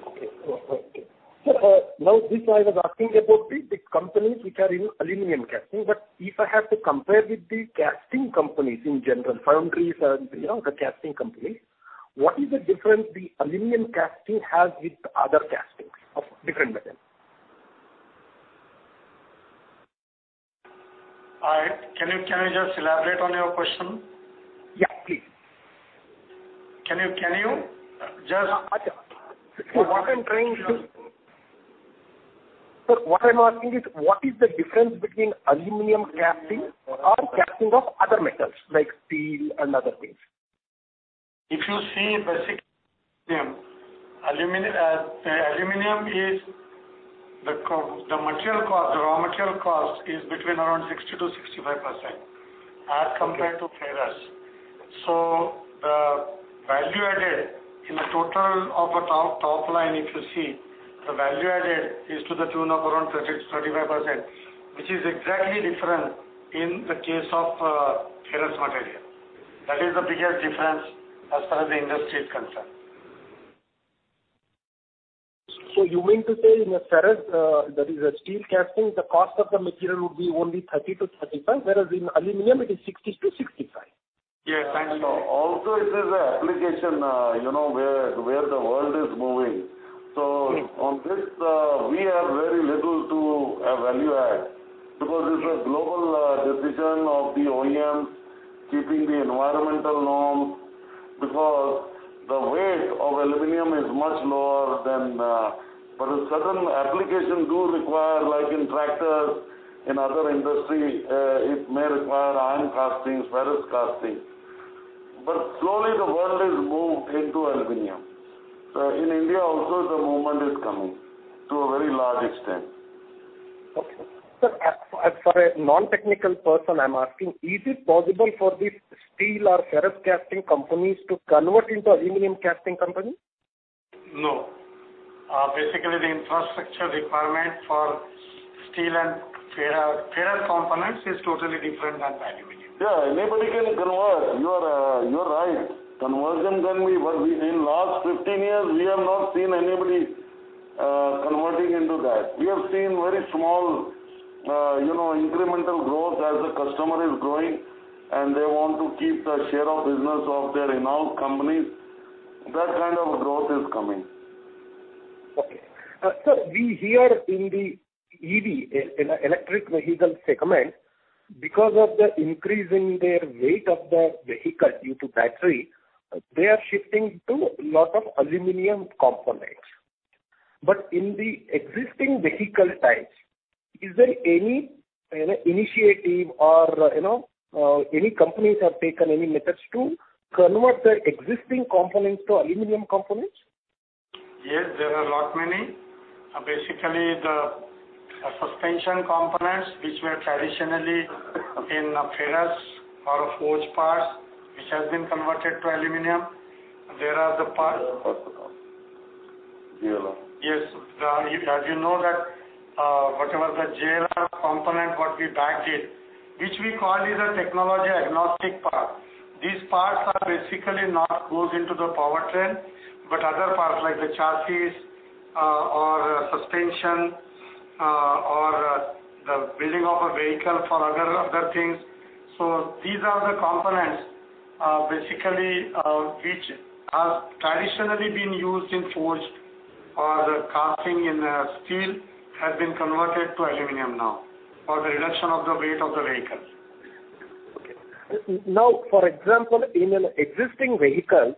Okay. Sir, now this I was asking about the companies which are in aluminum casting, but if I have to compare with the casting companies in general, foundries and the casting companies, what is the difference the aluminum casting has with other castings of different metal? Can I just elaborate on your question? Yeah, please. Can you just. Sir, what I'm asking is, what is the difference between aluminum casting or casting of other metals like steel and other things? If you see basic aluminum, the raw material cost is between around 60%-65%, as compared to ferrous. The value added in the total of a top line, if you see, the value added is to the tune of around 30%-35%, which is exactly different in the case of ferrous material. That is the biggest difference as far as the industry is concerned. You mean to say in a ferrous, that is a steel casting, the cost of the material would be only 30%-35%, whereas in aluminum it is 60%-65%? Yes, absolutely. Also it is a application, where the world is moving. On this, we have very little to value add, because this is a global decision of the OEMs keeping the environmental norms. Because the weight of aluminum is much lower than, but certain application do require, like in tractors, in other industry, it may require iron castings, ferrous casting. Slowly the world is moved into aluminum. In India also, the movement is coming to a very large extent. Okay. Sir, as for a non-technical person, I'm asking, is it possible for these steel or ferrous casting companies to convert into aluminum casting company? No. Basically, the infrastructure requirement for steel and ferrous components is totally different than aluminum. Yeah, anybody can convert. You are right. Conversion can be. In last 15 years, we have not seen anybody converting into that. We have seen very small incremental growth as the customer is growing, and they want to keep the share of business of their renowned companies. That kind of growth is coming. Okay. Sir, we hear in the EV, electric vehicle segment, because of the increase in their weight of the vehicle due to battery, they are shifting to lot of aluminum components. In the existing vehicle types, is there any initiative or any companies have taken any methods to convert their existing components to aluminum components? Yes, there are lot many. The suspension components which were traditionally in ferrous or forged parts, which has been converted to aluminum. JLR. Yes. As you know that, whatever the JLR component what we bagged it, which we call is a technology agnostic part. These parts are basically not goes into the powertrain, but other parts like the chassis or suspension or the building of a vehicle for other things. These are the components basically, which have traditionally been used in forged or the casting in steel, has been converted to aluminum now, for the reduction of the weight of the vehicle. Okay. For example, in an existing vehicle,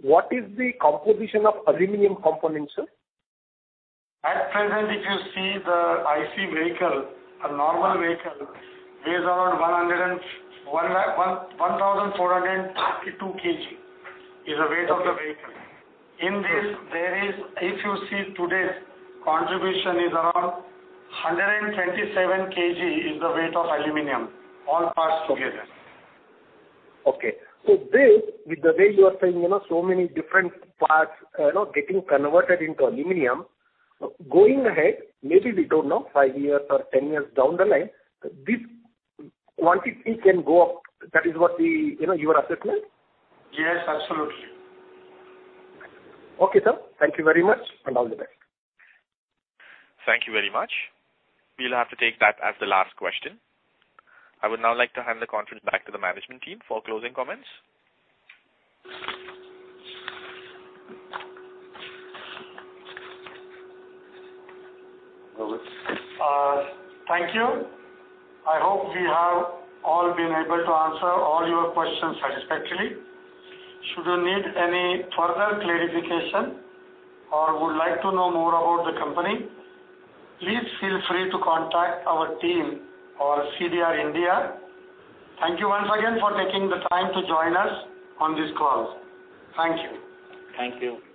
what is the composition of aluminum components, sir? At present, if you see the IC vehicle, a normal vehicle weighs around 1,432 kg, is the weight of the vehicle. In this, if you see today's contribution is around 127 kg is the weight of aluminum, all parts together. Okay. This, with the way you are saying, so many different parts getting converted into aluminum. Going ahead, maybe we don't know, five years or 10 years down the line, this quantity can go up. That is what your assessment? Yes, absolutely. Okay, sir. Thank you very much, and all the best. Thank you very much. We'll have to take that as the last question. I would now like to hand the conference back to the management team for closing comments. Thank you. I hope we have all been able to answer all your questions satisfactorily. Should you need any further clarification or would like to know more about the company, please feel free to contact our team or CDR India. Thank you once again for taking the time to join us on this call. Thank you. Thank you.